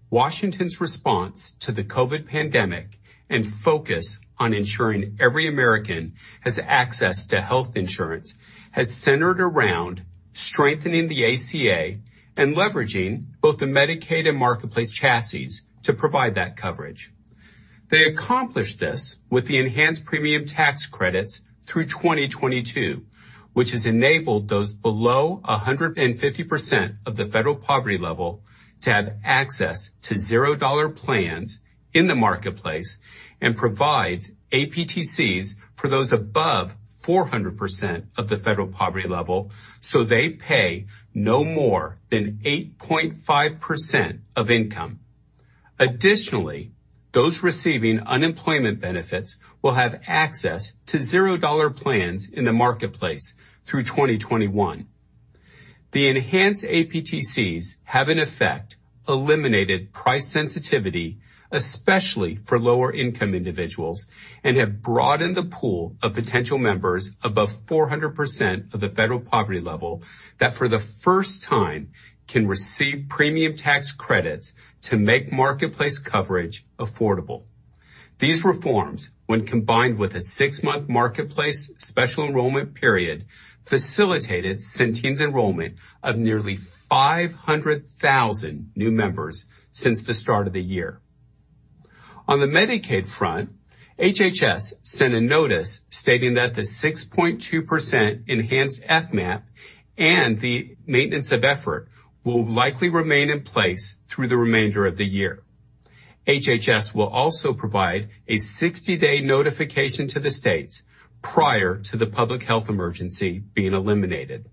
Washington's response to the COVID pandemic and focus on ensuring every American has access to health insurance has centered around strengthening the ACA and leveraging both the Medicaid and marketplace chassis to provide that coverage. They accomplished this with the enhanced premium tax credits through 2022, which has enabled those below 150% of the federal poverty level to have access to $0 plans in the marketplace and provides APTCs for those above 400% of the federal poverty level so they pay no more than 8.5% of income. Additionally, those receiving unemployment benefits will have access to $0 plans in the marketplace through 2021. The enhanced APTCs have, in effect, eliminated price sensitivity, especially for lower-income individuals, and have broadened the pool of potential members above 400% of the federal poverty level that, for the first time, can receive premium tax credits to make Marketplace coverage affordable. These reforms, when combined with a six-month Marketplace Special Enrollment Period, facilitated Centene's enrollment of nearly 500,000 new members since the start of the year. On the Medicaid front, HHS sent a notice stating that the 6.2% enhanced FMAP and the maintenance of effort will likely remain in place through the remainder of the year. HHS will also provide a 60-day notification to the states prior to the public health emergency being eliminated.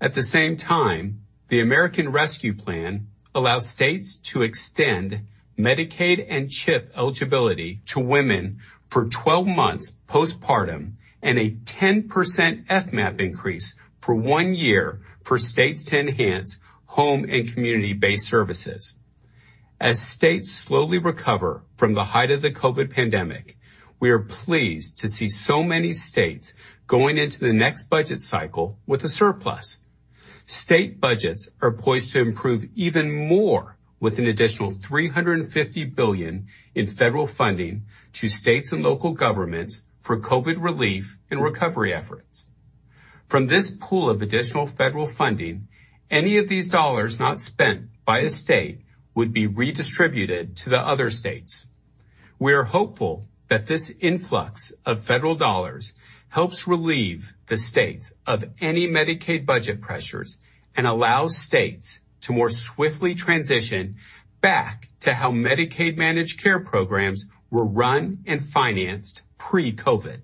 At the same time, the American Rescue Plan allows states to extend Medicaid and CHIP eligibility to women for 12 months postpartum, and a 10% FMAP increase for one year for states to enhance home and community-based services. As states slowly recover from the height of the COVID pandemic, we are pleased to see so many states going into the next budget cycle with a surplus. State budgets are poised to improve even more with an additional $350 billion in federal funding to states and local governments for COVID relief and recovery efforts. From this pool of additional federal funding, any of these dollars not spent by a state would be redistributed to the other states. We are hopeful that this influx of federal dollars helps relieve the states of any Medicaid budget pressures and allows states to more swiftly transition back to how Medicaid managed care programs were run and financed pre-COVID.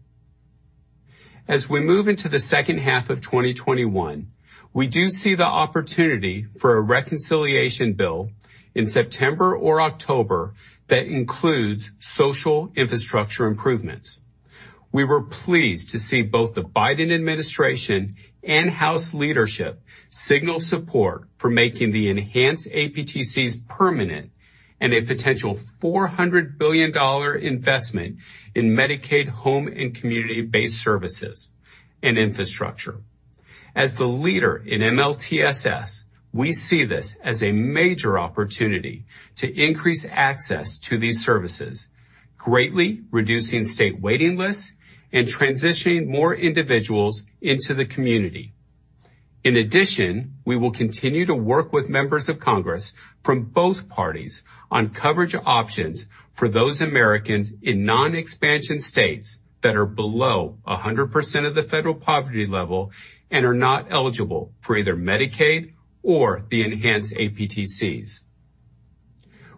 As we move into the second half of 2021, we do see the opportunity for a reconciliation bill in September or October that includes social infrastructure improvements. We were pleased to see both the Biden administration and House leadership signal support for making the enhanced APTCs permanent and a potential $400 billion investment in Medicaid home and community-based services and infrastructure. As the leader in MLTSS, we see this as a major opportunity to increase access to these services, greatly reducing state waiting lists and transitioning more individuals into the community. We will continue to work with members of Congress from both parties on coverage options for those Americans in non-expansion states that are below 100% of the federal poverty level and are not eligible for either Medicaid or the enhanced APTCs.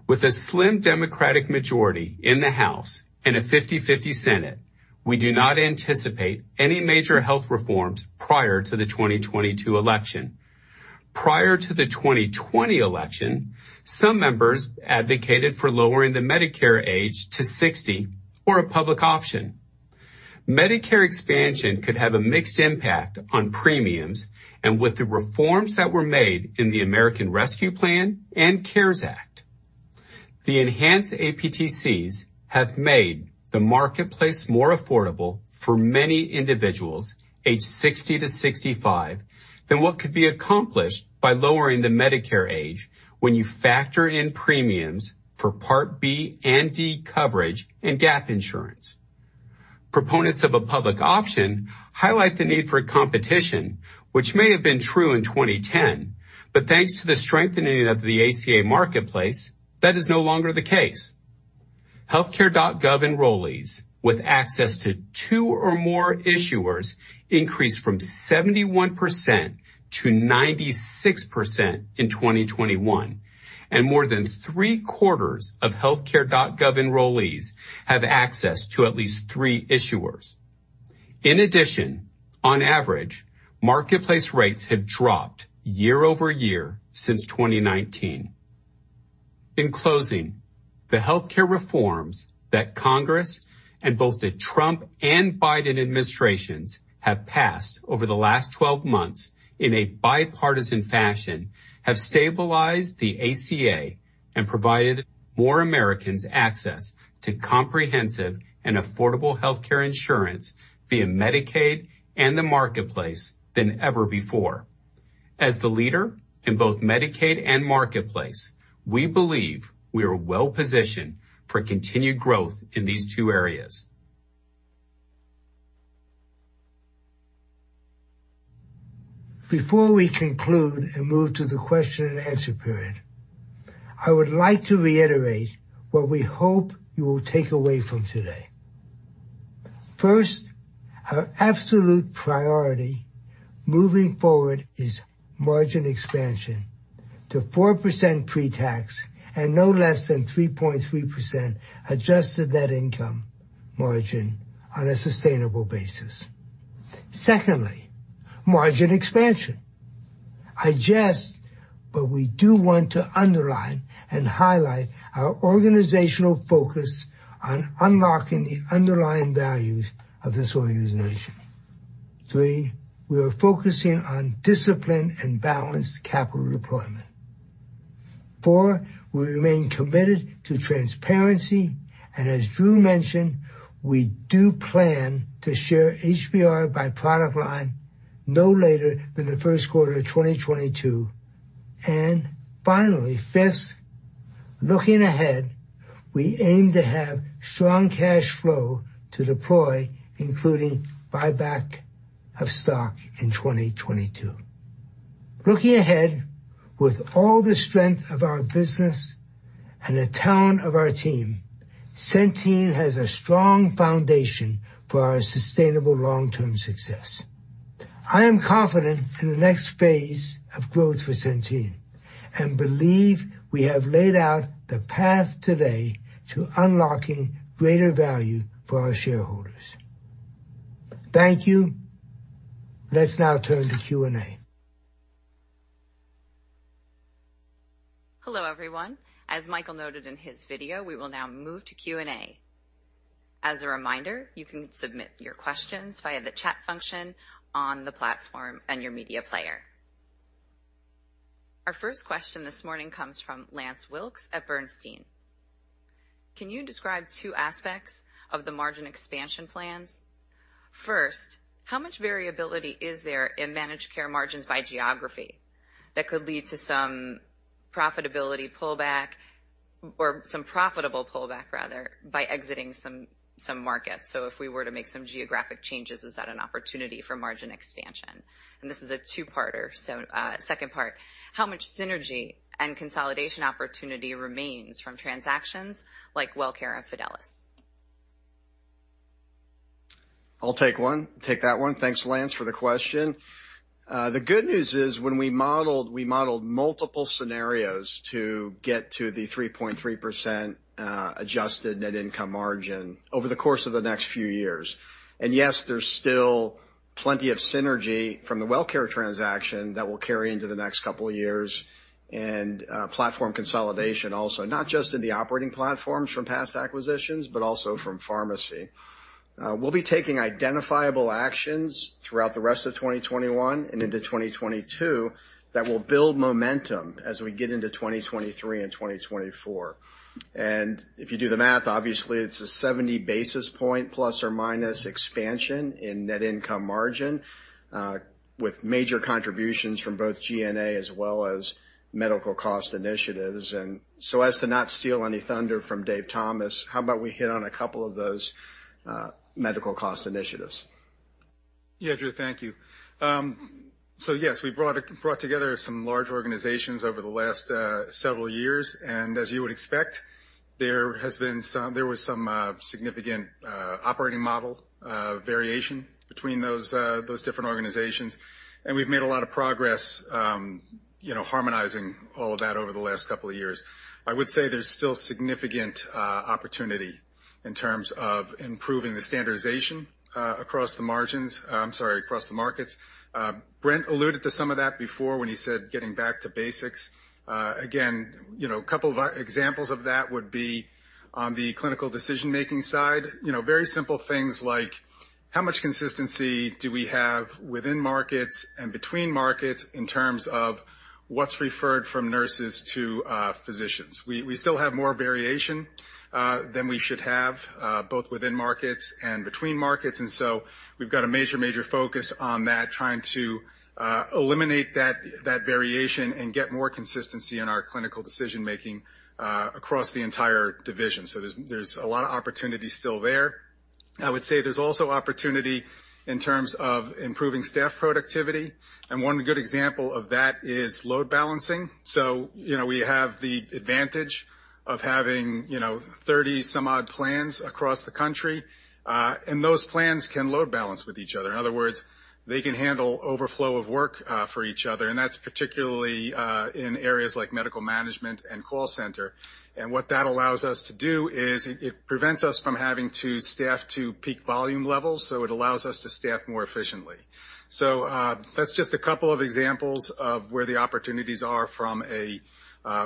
With a slim Democratic majority in the House and a 50/50 Senate, we do not anticipate any major health reforms prior to the 2022 election. Prior to the 2020 election, some members advocated for lowering the Medicare age to 60 or a public option. Medicare expansion could have a mixed impact on premiums and with the reforms that were made in the American Rescue Plan and CARES Act. The enhanced APTCs have made the marketplace more affordable for many individuals aged 60 to 65 than what could be accomplished by lowering the Medicare age when you factor in premiums for Part B and D coverage and gap insurance. Proponents of a public option highlight the need for competition, which may have been true in 2010, thanks to the strengthening of the ACA marketplace, that is no longer the case. HealthCare.gov enrollees with access to two or more issuers increased from 71% to 96% in 2021, and more than three-quarters of HealthCare.gov enrollees have access to at least three issuers. In addition, on average, marketplace rates have dropped year-over-year since 2019. In closing, the healthcare reforms that Congress and both the Trump and Biden administrations have passed over the last 12 months in a bipartisan fashion have stabilized the ACA and provided more Americans access to comprehensive and affordable healthcare insurance via Medicaid and the Marketplace than ever before. As the leader in both Medicaid and Marketplace, we believe we are well-positioned for continued growth in these two areas. Before we conclude and move to the question and answer period, I would like to reiterate what we hope you will take away from today. First, our absolute priority moving forward is margin expansion to 4% pre-tax and no less than 3.3% adjusted net income margin on a sustainable basis. Secondly, margin expansion. I jest, but we do want to underline and highlight our organizational focus on unlocking the underlying values of this organization. Three, we are focusing on disciplined and balanced capital deployment. Four, we remain committed to transparency, and as Drew mentioned, we do plan to share HBR by product line no later than the 1st quarter of 2022. Finally, fifth, looking ahead, we aim to have strong cash flow to deploy, including buyback of stock in 2022. Looking ahead, with all the strength of our business and the talent of our team, Centene has a strong foundation for our sustainable long-term success. I am confident in the next phase of growth for Centene and believe we have laid out the path today to unlocking greater value for our shareholders. Thank you. Let's now turn to Q&A. Hello, everyone. As Michael noted in his video, we will now move to Q&A. As a reminder, you can submit your questions via the chat function on the platform and your media player. Our first question this morning comes from Lance Wilkes at Bernstein. Can you describe two aspects of the margin expansion plans? First, how much variability is there in managed care margins by geography that could lead to some profitability pullback or some profitable pullback rather by exiting some markets? If we were to make some geographic changes, is that an opportunity for margin expansion? This is a two-parter. Second part, how much synergy and consolidation opportunity remains from transactions like WellCare and Fidelis? I'll take that one. Thanks, Lance, for the question. The good news is when we modeled, we modeled multiple scenarios to get to the 3.3% adjusted net income margin over the course of the next few years. Yes, there's still plenty of synergy from the WellCare transaction that will carry into the next couple of years and platform consolidation also, not just in the operating platforms from past acquisitions, but also from pharmacy. We'll be taking identifiable actions throughout the rest of 2021 and into 2022 that will build momentum as we get into 2023 and 2024. If you do the math, obviously it's a 70 basis point ± expansion in net income margin, with major contributions from both G&A as well as medical cost initiatives. As to not steal any thunder from David Thomas, how about we hit on a couple of those medical cost initiatives? Drew, thank you. Yes, we brought together some large organizations over the last several years, and as you would expect, there was some significant operating model variation between those different organizations. We've made a lot of progress harmonizing all of that over the last couple of years. I would say there's still significant opportunity in terms of improving the standardization across the markets. Brent alluded to some of that before when he said getting back to basics. Again, a couple of examples of that would be on the clinical decision-making side. Very simple things like how much consistency do we have within markets and between markets in terms of what's referred from nurses to physicians? We still have more variation than we should have, both within markets and between markets, and so we've got a major focus on that, trying to eliminate that variation and get more consistency in our clinical decision-making across the entire division. There's a lot of opportunity still there. I would say there's also opportunity in terms of improving staff productivity, and one good example of that is load balancing. We have the advantage of having 30 some odd plans across the country, and those plans can load balance with each other. In other words, they can handle overflow of work for each other, and that's particularly in areas like medical management and call center. What that allows us to do is it prevents us from having to staff to peak volume levels, so it allows us to staff more efficiently. That's just two examples of where the opportunities are from a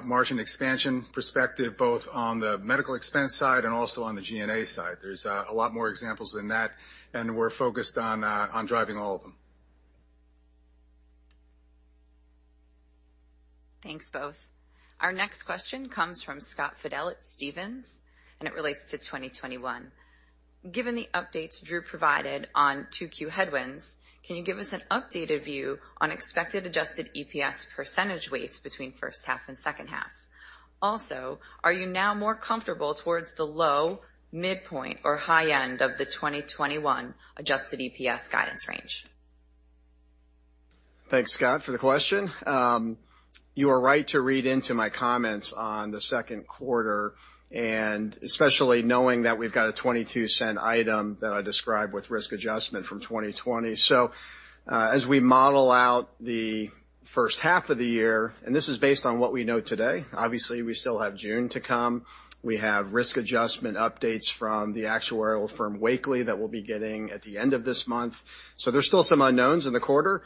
margin expansion perspective, both on the medical expense side and also on the G&A side. There's a lot more examples than that, and we're focused on driving all of them. Thanks, both. Our next question comes from Scott Fidel at Stephens, and it relates to 2021. Given the updates you provided on 2Q headwinds, can you give us an updated view on expected adjusted EPS % weights between first half and second half? Are you now more comfortable towards the low, midpoint, or high end of the 2021 adjusted EPS guidance range? Thanks, Scott, for the question. You are right to read into my comments on the 2nd quarter, especially knowing that we've got a $0.22 item that I described with risk adjustment from 2020. As we model out the 1st half of the year, this is based on what we know today, obviously we still have June to come. We have risk adjustment updates from the actuarial firm Wakely that we'll be getting at the end of this month. There's still some unknowns in the quarter.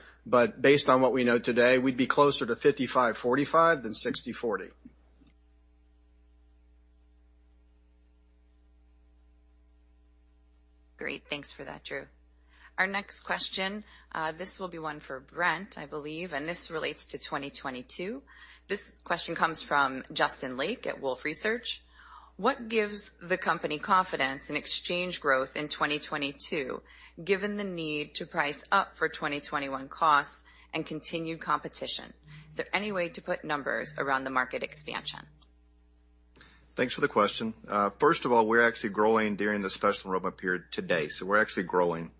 Based on what we know today, we'd be closer to 55/45 than 60/40. Great. Thanks for that, Drew. Our next question, this will be one for Brent, I believe, and this relates to 2022. This question comes from Justin Lake at Wolfe Research. What gives the company confidence in exchange growth in 2022, given the need to price up for 2021 costs and continued competition? Is there any way to put numbers around the market expansion? Thanks for the question. First of all, we're actually growing during the special ramp-up period today. We're actually growing,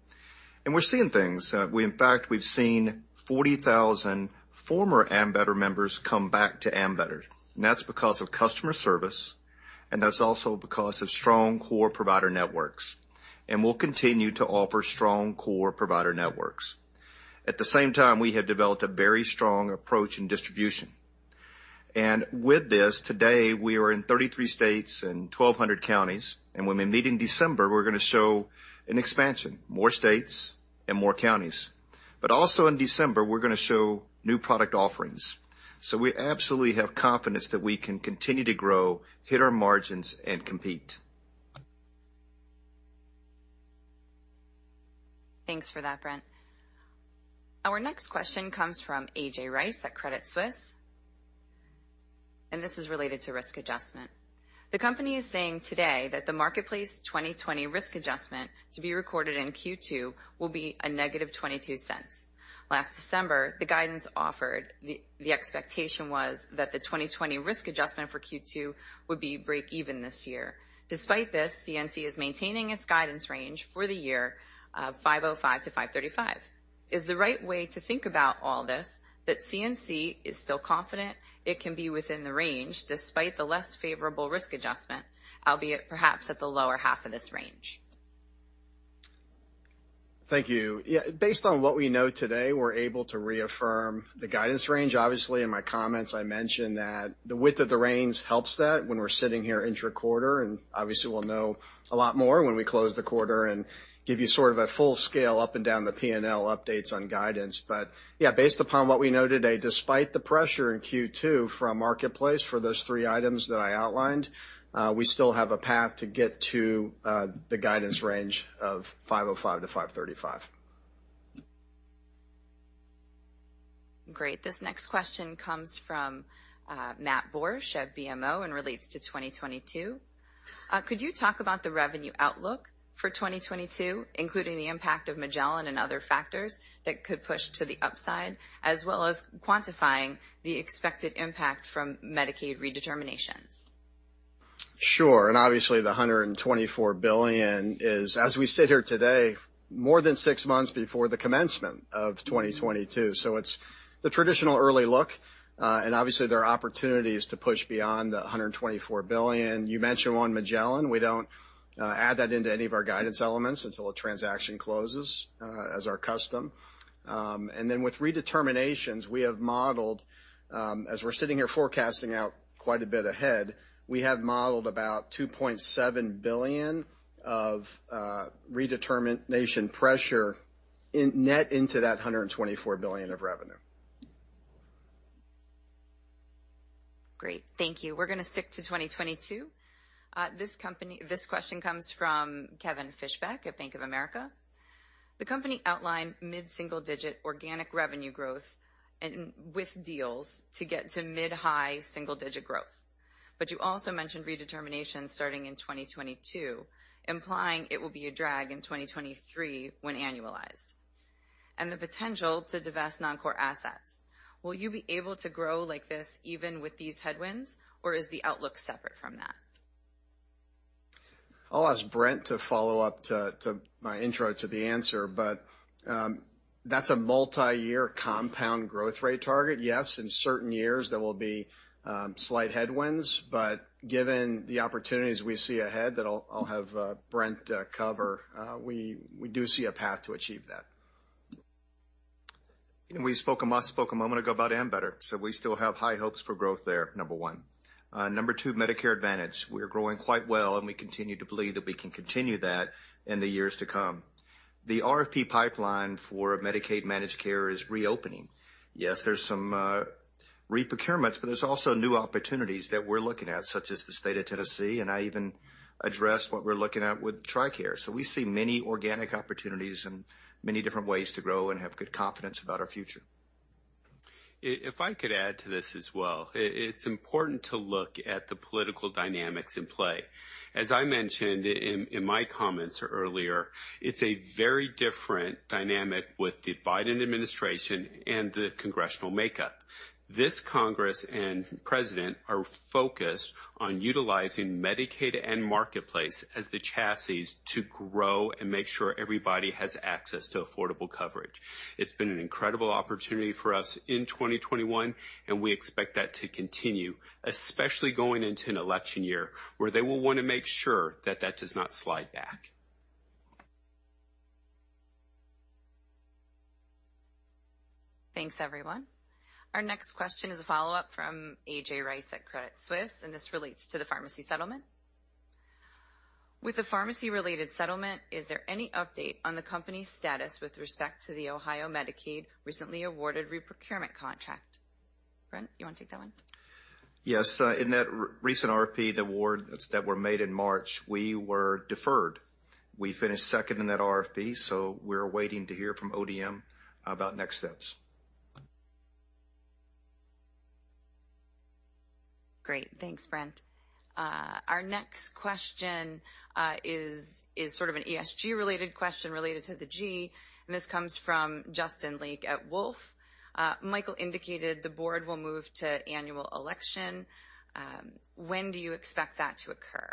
and we're seeing things. In fact, we've seen 40,000 former Ambetter members come back to Ambetter, and that's because of customer service, and that's also because of strong core provider networks. We'll continue to offer strong core provider networks. At the same time, we have developed a very strong approach in distribution. With this, today, we are in 33 states and 1,200 counties, and when we meet in December, we're going to show an expansion, more states and more counties. Also in December, we're going to show new product offerings. We absolutely have confidence that we can continue to grow, hit our margins, and compete. Thanks for that, Brent. Our next question comes from A.J. Rice at Credit Suisse, and this is related to risk adjustment. The company is saying today that the Health Insurance Marketplace 2020 risk adjustment to be recorded in Q2 will be a negative $0.22. Last December, the guidance offered, the expectation was that the 2020 risk adjustment for Q2 would be breakeven this year. Despite this, CNC is maintaining its guidance range for the year of $5.05-$5.35. Is the right way to think about all this that CNC is still confident it can be within the range despite the less favorable risk adjustment, albeit perhaps at the lower half of this range? Thank you. Based on what we know today, we're able to reaffirm the guidance range. Obviously, in my comments, I mentioned that the width of the range helps that when we're sitting here intra-quarter, and obviously we'll know a lot more when we close the quarter and give you sort of a full scale up and down the P&L updates on guidance. Based upon what we know today, despite the pressure in Q2 from Marketplace for those three items that I outlined, we still have a path to get to the guidance range of $5.05-$5.35. Great. This next question comes from Matt Borsch at BMO and relates to 2022. Could you talk about the revenue outlook for 2022, including the impact of Magellan and other factors that could push to the upside, as well as quantifying the expected impact from Medicaid redeterminations? Sure. Obviously, the $124 billion is, as we sit here today, more than six months before the commencement of 2022. It's the traditional early look. Obviously, there are opportunities to push beyond the $124 billion. You mentioned on Magellan, we don't add that into any of our guidance elements until a transaction closes, as our custom. Then with redeterminations, as we're sitting here forecasting out quite a bit ahead, we have modeled about $2.7 billion of redetermination pressure net into that $124 billion of revenue. Great. Thank you. We're going to stick to 2022. This question comes from Kevin Fischbeck at Bank of America. The company outlined mid-single digit organic revenue growth and with deals to get to mid-high single digit growth. You also mentioned redeterminations starting in 2022, implying it will be a drag in 2023 when annualized, and the potential to divest non-core assets. Will you be able to grow like this even with these headwinds, or is the outlook separate from that? I'll ask Brent to follow up to my intro to the answer. That's a multi-year compound growth rate target. Yes, in certain years, there will be slight headwinds. Given the opportunities we see ahead that I'll have Brent cover, we do see a path to achieve that. We spoke a moment ago about Ambetter. We still have high hopes for growth there, number one. Number two, Medicare Advantage. We are growing quite well, and we continue to believe that we can continue that in the years to come. The RFP pipeline for Medicaid managed care is reopening. Yes, there's some reprocurements, but there's also new opportunities that we're looking at, such as the state of Tennessee, and I even addressed what we're looking at with TRICARE. We see many organic opportunities and many different ways to grow and have good confidence about our future. If I could add to this as well. It's important to look at the political dynamics in play. As I mentioned in my comments earlier, it's a very different dynamic with the Biden administration and the congressional makeup. This Congress and President are focused on utilizing Medicaid and Marketplace as the chassis to grow and make sure everybody has access to affordable coverage. It's been an incredible opportunity for us in 2021, and we expect that to continue, especially going into an election year, where they will want to make sure that that does not slide back. Thanks, everyone. Our next question is a follow-up from A.J. Rice at Credit Suisse. This relates to the pharmacy settlement. With the pharmacy-related settlement, is there any update on the company's status with respect to the Ohio Medicaid recently awarded reprocurement contract? Brent, you want to take that one? Yes. In that recent RFP, the awards that were made in March, we were deferred. We finished second in that RFP. We are waiting to hear from ODM about next steps. Great. Thanks, Brent. Our next question is sort of an ESG related question related to the G. This comes from Justin Lake at Wolfe. Michael indicated the board will move to annual election. When do you expect that to occur?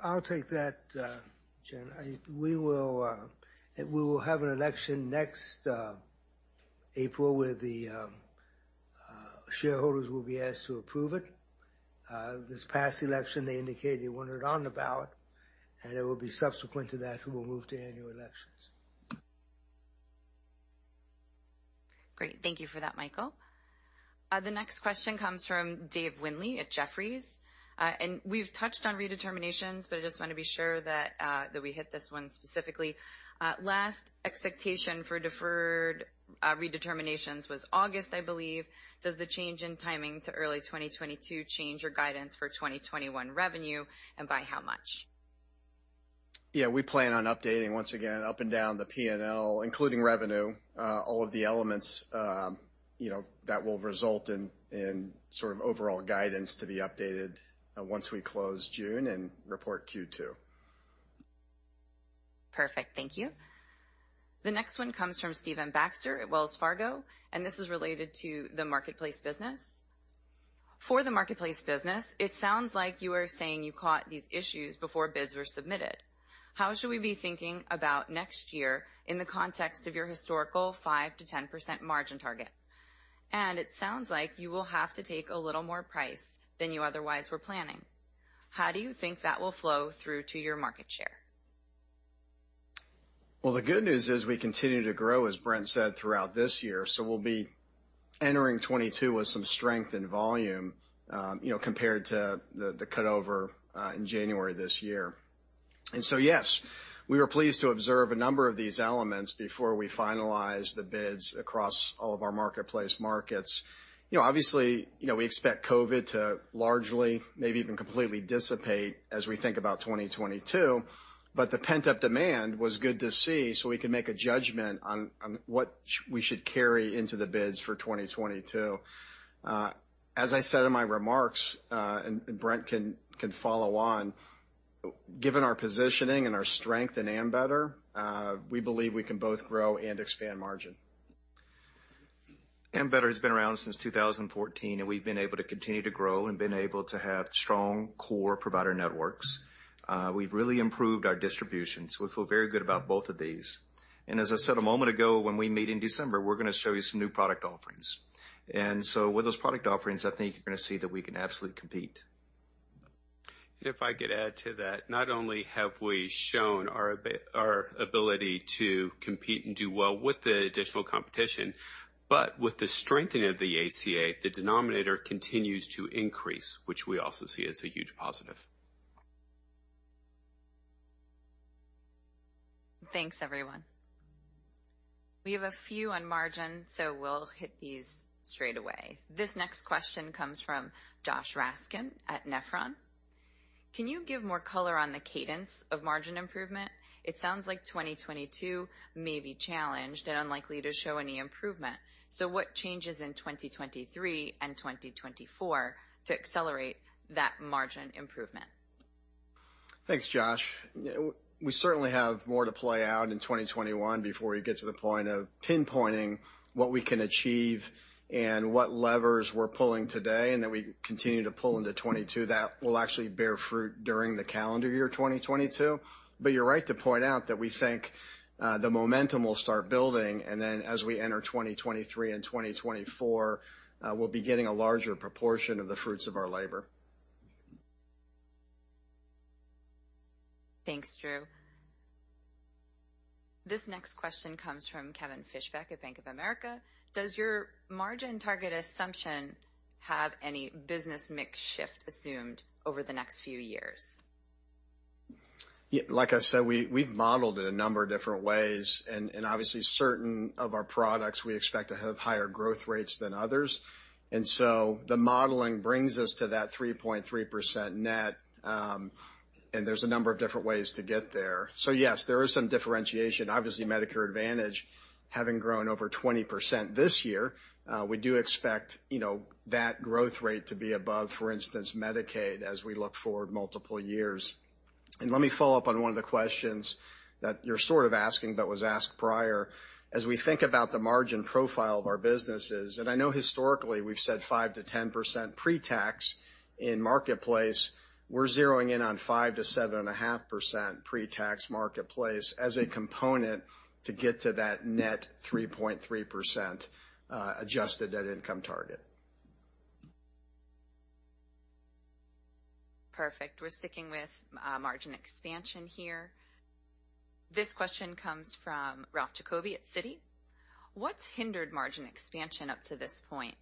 I'll take that, Jen. We will have an election next April where the shareholders will be asked to approve it. This past election, they indicated they wanted it on the ballot. It will be subsequent to that we will move to annual elections. Great. Thank you for that, Michael. The next question comes from Dave Windley at Jefferies. We've touched on redeterminations, but I just want to be sure that we hit this one specifically. Last expectation for deferred redeterminations was August, I believe. Does the change in timing to early 2022 change your guidance for 2021 revenue, and by how much? Yeah, we plan on updating once again up and down the P&L, including revenue, all of the elements that will result in sort of overall guidance to be updated once we close June and report Q2. Perfect. Thank you. The next one comes from Stephen Baxter at Wells Fargo, and this is related to the marketplace business. For the marketplace business, it sounds like you are saying you caught these issues before bids were submitted. How should we be thinking about next year in the context of your historical 5%-10% margin target? It sounds like you will have to take a little more price than you otherwise were planning. How do you think that will flow through to your market share? Well, the good news is we continue to grow, as Brent Layton said, throughout this year. We'll be entering 2022 with some strength in volume, compared to the cutover in January this year. Yes, we were pleased to observe a number of these elements before we finalized the bids across all of our marketplace markets. Obviously, we expect COVID-19 to largely, maybe even completely dissipate as we think about 2022, but the pent-up demand was good to see, so we can make a judgment on what we should carry into the bids for 2022. As I said in my remarks, and Brent Layton can follow on, given our positioning and our strength in Ambetter, we believe we can both grow and expand margin. Ambetter's been around since 2014, and we've been able to continue to grow and been able to have strong core provider networks. We've really improved our distribution, so we feel very good about both of these. As I said a moment ago, when we meet in December, we're going to show you some new product offerings. With those product offerings, I think you're going to see that we can absolutely compete. If I could add to that, not only have we shown our ability to compete and do well with the additional competition, but with the strengthening of the ACA, the denominator continues to increase, which we also see as a huge positive. Thanks, everyone. We have a few on margin, so we'll hit these straight away. This next question comes from Josh Raskin at Nephron. Can you give more color on the cadence of margin improvement? It sounds like 2022 may be challenged and unlikely to show any improvement. What changes in 2023 and 2024 to accelerate that margin improvement? Thanks, Josh. We certainly have more to play out in 2021 before we get to the point of pinpointing what we can achieve and what levers we're pulling today, and that we continue to pull into 2022 that will actually bear fruit during the calendar year 2022. You're right to point out that we think the momentum will start building, and then as we enter 2023 and 2024, we'll be getting a larger proportion of the fruits of our labor. Thanks, Drew. This next question comes from Kevin Fischbeck at Bank of America. Does your margin target assumption have any business mix shift assumed over the next few years? Like I said, we've modeled it a number of different ways, obviously certain of our products we expect to have higher growth rates than others. The modeling brings us to that 3.3% net, there's a number of different ways to get there. Yes, there is some differentiation. Obviously, Medicare Advantage having grown over 20% this year, we do expect that growth rate to be above, for instance, Medicaid as we look forward multiple years. Let me follow up on one of the questions that you're sort of asking that was asked prior. As we think about the margin profile of our businesses, I know historically we've said 5%-10% pre-tax in Marketplace, we're zeroing in on 5%-7.5% pre-tax Marketplace as a component to get to that net 3.3% adjusted net income target. Perfect. We're sticking with margin expansion here. This question comes from Ralph Giacobbe at Citi. What's hindered margin expansion up to this point,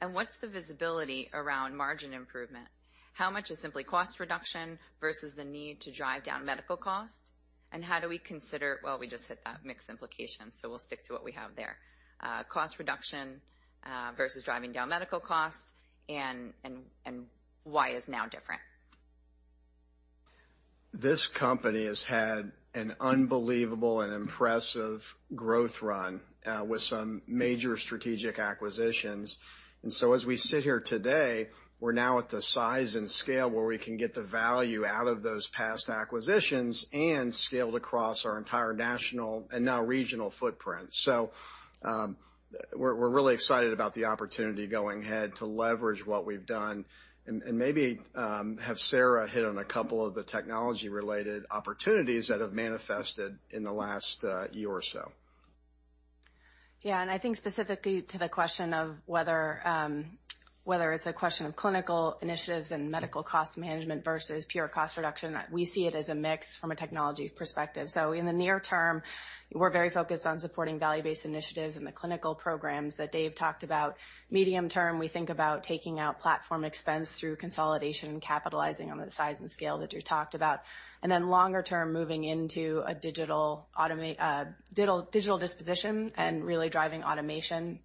and what's the visibility around margin improvement? How much is simply cost reduction versus the need to drive down medical cost? Well, we just hit that, mix implications, so we'll stick to what we have there. Cost reduction versus driving down medical costs and why is now different? This company has had an unbelievable and impressive growth run with some major strategic acquisitions. As we sit here today, we're now at the size and scale where we can get the value out of those past acquisitions and scale across our entire national and now regional footprint. We're really excited about the opportunity going ahead to leverage what we've done and maybe have Sarah hit on a couple of the technology-related opportunities that have manifested in the last year or so. Yeah, I think specifically to the question of whether it's a question of clinical initiatives and medical cost management versus pure cost reduction, we see it as a mix from a technology perspective. In the near term, we're very focused on supporting value-based initiatives and the clinical programs that Dave talked about. Medium term, we think about taking out platform expense through consolidation and capitalizing on the size and scale that you talked about. Longer term, moving into a digital disposition and really driving automation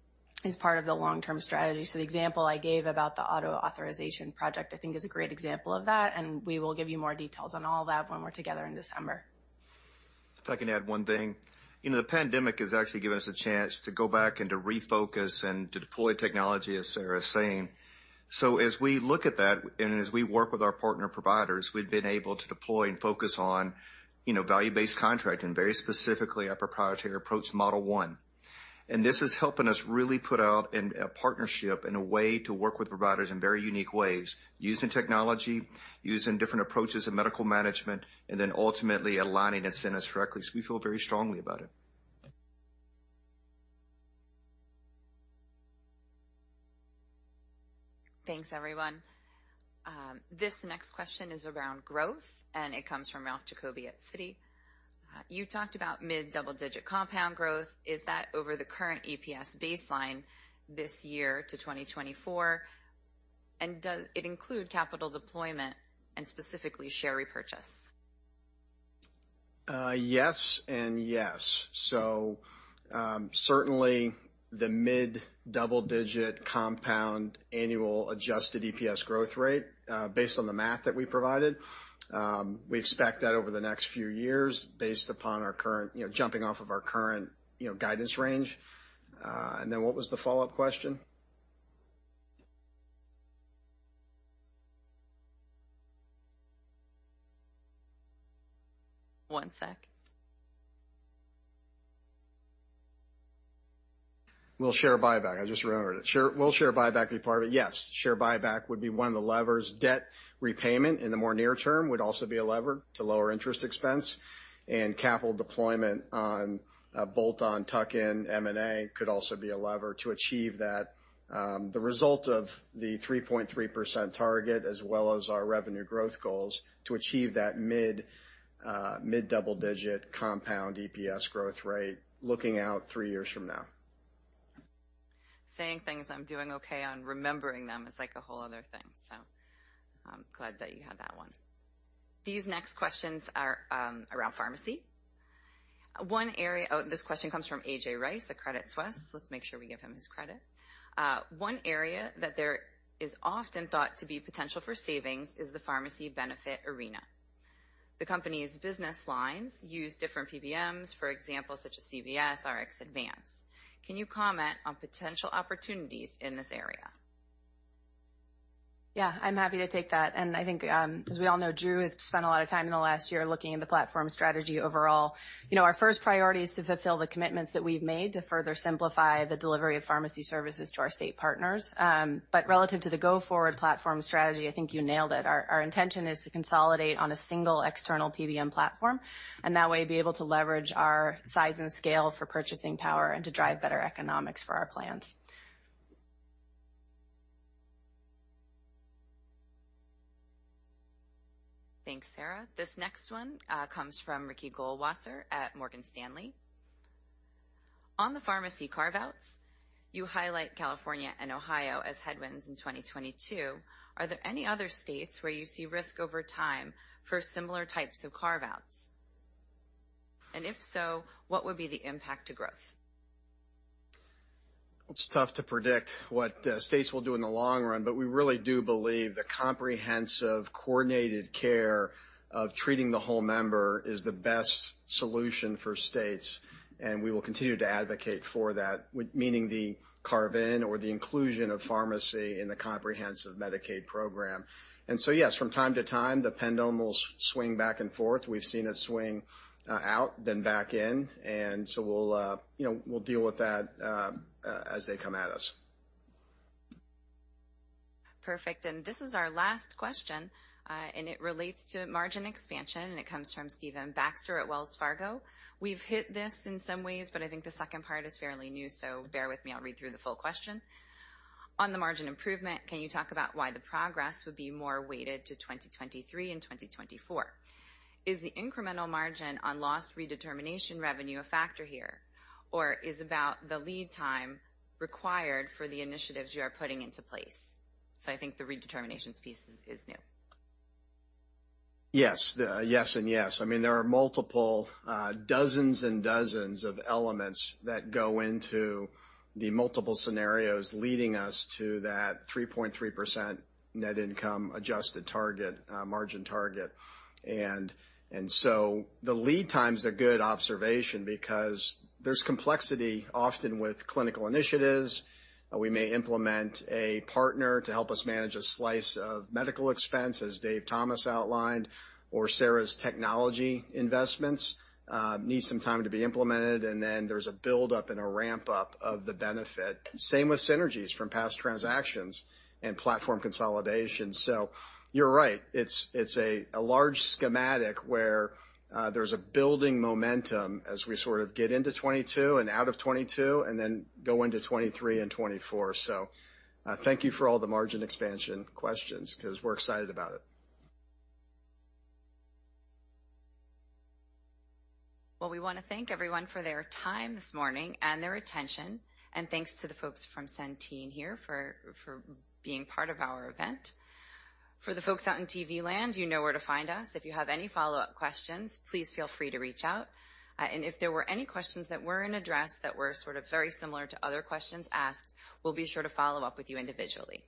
as part of the long-term strategy. The example I gave about the auto authorization project, I think is a great example of that, and we will give you more details on all that when we're together in December. If I can add one thing. The pandemic has actually given us a chance to go back and to refocus and deploy technology, as Sarah was saying. As we look at that and as we work with our partner providers, we've been able to deploy and focus on value-based contracting, very specifically our proprietary approach Model 1. This is helping us really put out a partnership and a way to work with providers in very unique ways, using technology, using different approaches in medical management, and then ultimately aligning incentives correctly. We feel very strongly about it. Thanks, everyone. This next question is around growth, and it comes from Ralph Giacobbe at Citi. You talked about mid-double-digit compound growth. Is that over the current EPS baseline this year to 2024? Does it include capital deployment and specifically share repurchase? Yes and yes. Certainly the mid-double-digit compound annual adjusted EPS growth rate, based on the math that we provided. We expect that over the next few years based upon jumping off of our current guidance range. What was the follow-up question? One sec. I just remembered. Will share buyback be part of it? Yes. Share buyback would be one of the levers. Debt repayment in the more near term would also be a lever to lower interest expense, and capital deployment on bolt-on tuck-in M&A could also be a lever to achieve the result of the 3.3% target as well as our revenue growth goals to achieve that mid-double-digit compound EPS growth rate looking out 3 years from now. Saying things I'm doing okay on, remembering them is a whole other thing. I'm glad that you had that one. These next questions are around pharmacy. This question comes from A.J. Rice at Credit Suisse. Let's make sure we give him his credit. One area that there is often thought to be potential for savings is the pharmacy benefit arena. The company's business lines use different PBMs, for example, such as CVS, RxAdvance. Can you comment on potential opportunities in this area? I'm happy to take that. I think as we all know, Drew has spent a lot of time in the last year looking at the platform strategy overall. Our first priority is to fulfill the commitments that we've made to further simplify the delivery of pharmacy services to our state partners. Relative to the go-forward platform strategy, I think you nailed it. Our intention is to consolidate on a single external PBM platform, that way be able to leverage our size and scale for purchasing power and to drive better economics for our plans. Thanks, Sarah. This next one comes from Ricky Goldwasser at Morgan Stanley. On the pharmacy carve-outs, you highlight California and Ohio as headwinds in 2022. Are there any other states where you see risk over time for similar types of carve-outs? If so, what would be the impact to growth? It's tough to predict what states will do in the long run, but we really do believe that comprehensive, coordinated care of treating the whole member is the best solution for states, and we will continue to advocate for that, meaning the carve-in or the inclusion of pharmacy in the comprehensive Medicaid program. Yes, from time to time, the pendulum will swing back and forth. We've seen it swing out, then back in, we'll deal with that as they come at us. Perfect. This is our last question, and it relates to margin expansion, and it comes from Stephen Baxter at Wells Fargo. We've hit this in some ways, but I think the second part is fairly new, so bear with me. I'll read you the full question. On the margin improvement, can you talk about why the progress would be more weighted to 2023 and 2024? Is the incremental margin on lost redetermination revenue a factor here, or is it about the lead time required for the initiatives you are putting into place? I think the redetermination piece is new. Yes. Yes and yes. There are multiple, dozens and dozens of elements that go into the multiple scenarios leading us to that 3.3% net income adjusted margin target. The lead time's a good observation because there's complexity often with clinical initiatives. We may implement a partner to help us manage a slice of medical expense, as David Thomas outlined, or Sarah's technology investments need some time to be implemented, and then there's a build-up and a ramp-up of the benefit. Same with synergies from past transactions and platform consolidation. You're right. It's a large schematic where there's a building momentum as we sort of get into 2022 and out of 2022 and then go into 2023 and 2024. Thank you for all the margin expansion questions because we're excited about it. Well, we want to thank everyone for their time this morning and their attention. Thanks to the folks from Centene here for being part of our event. For the folks out in TV land, you know where to find us. If you have any follow-up questions, please feel free to reach out. If there were any questions that weren't addressed that were sort of very similar to other questions asked, we'll be sure to follow up with you individually.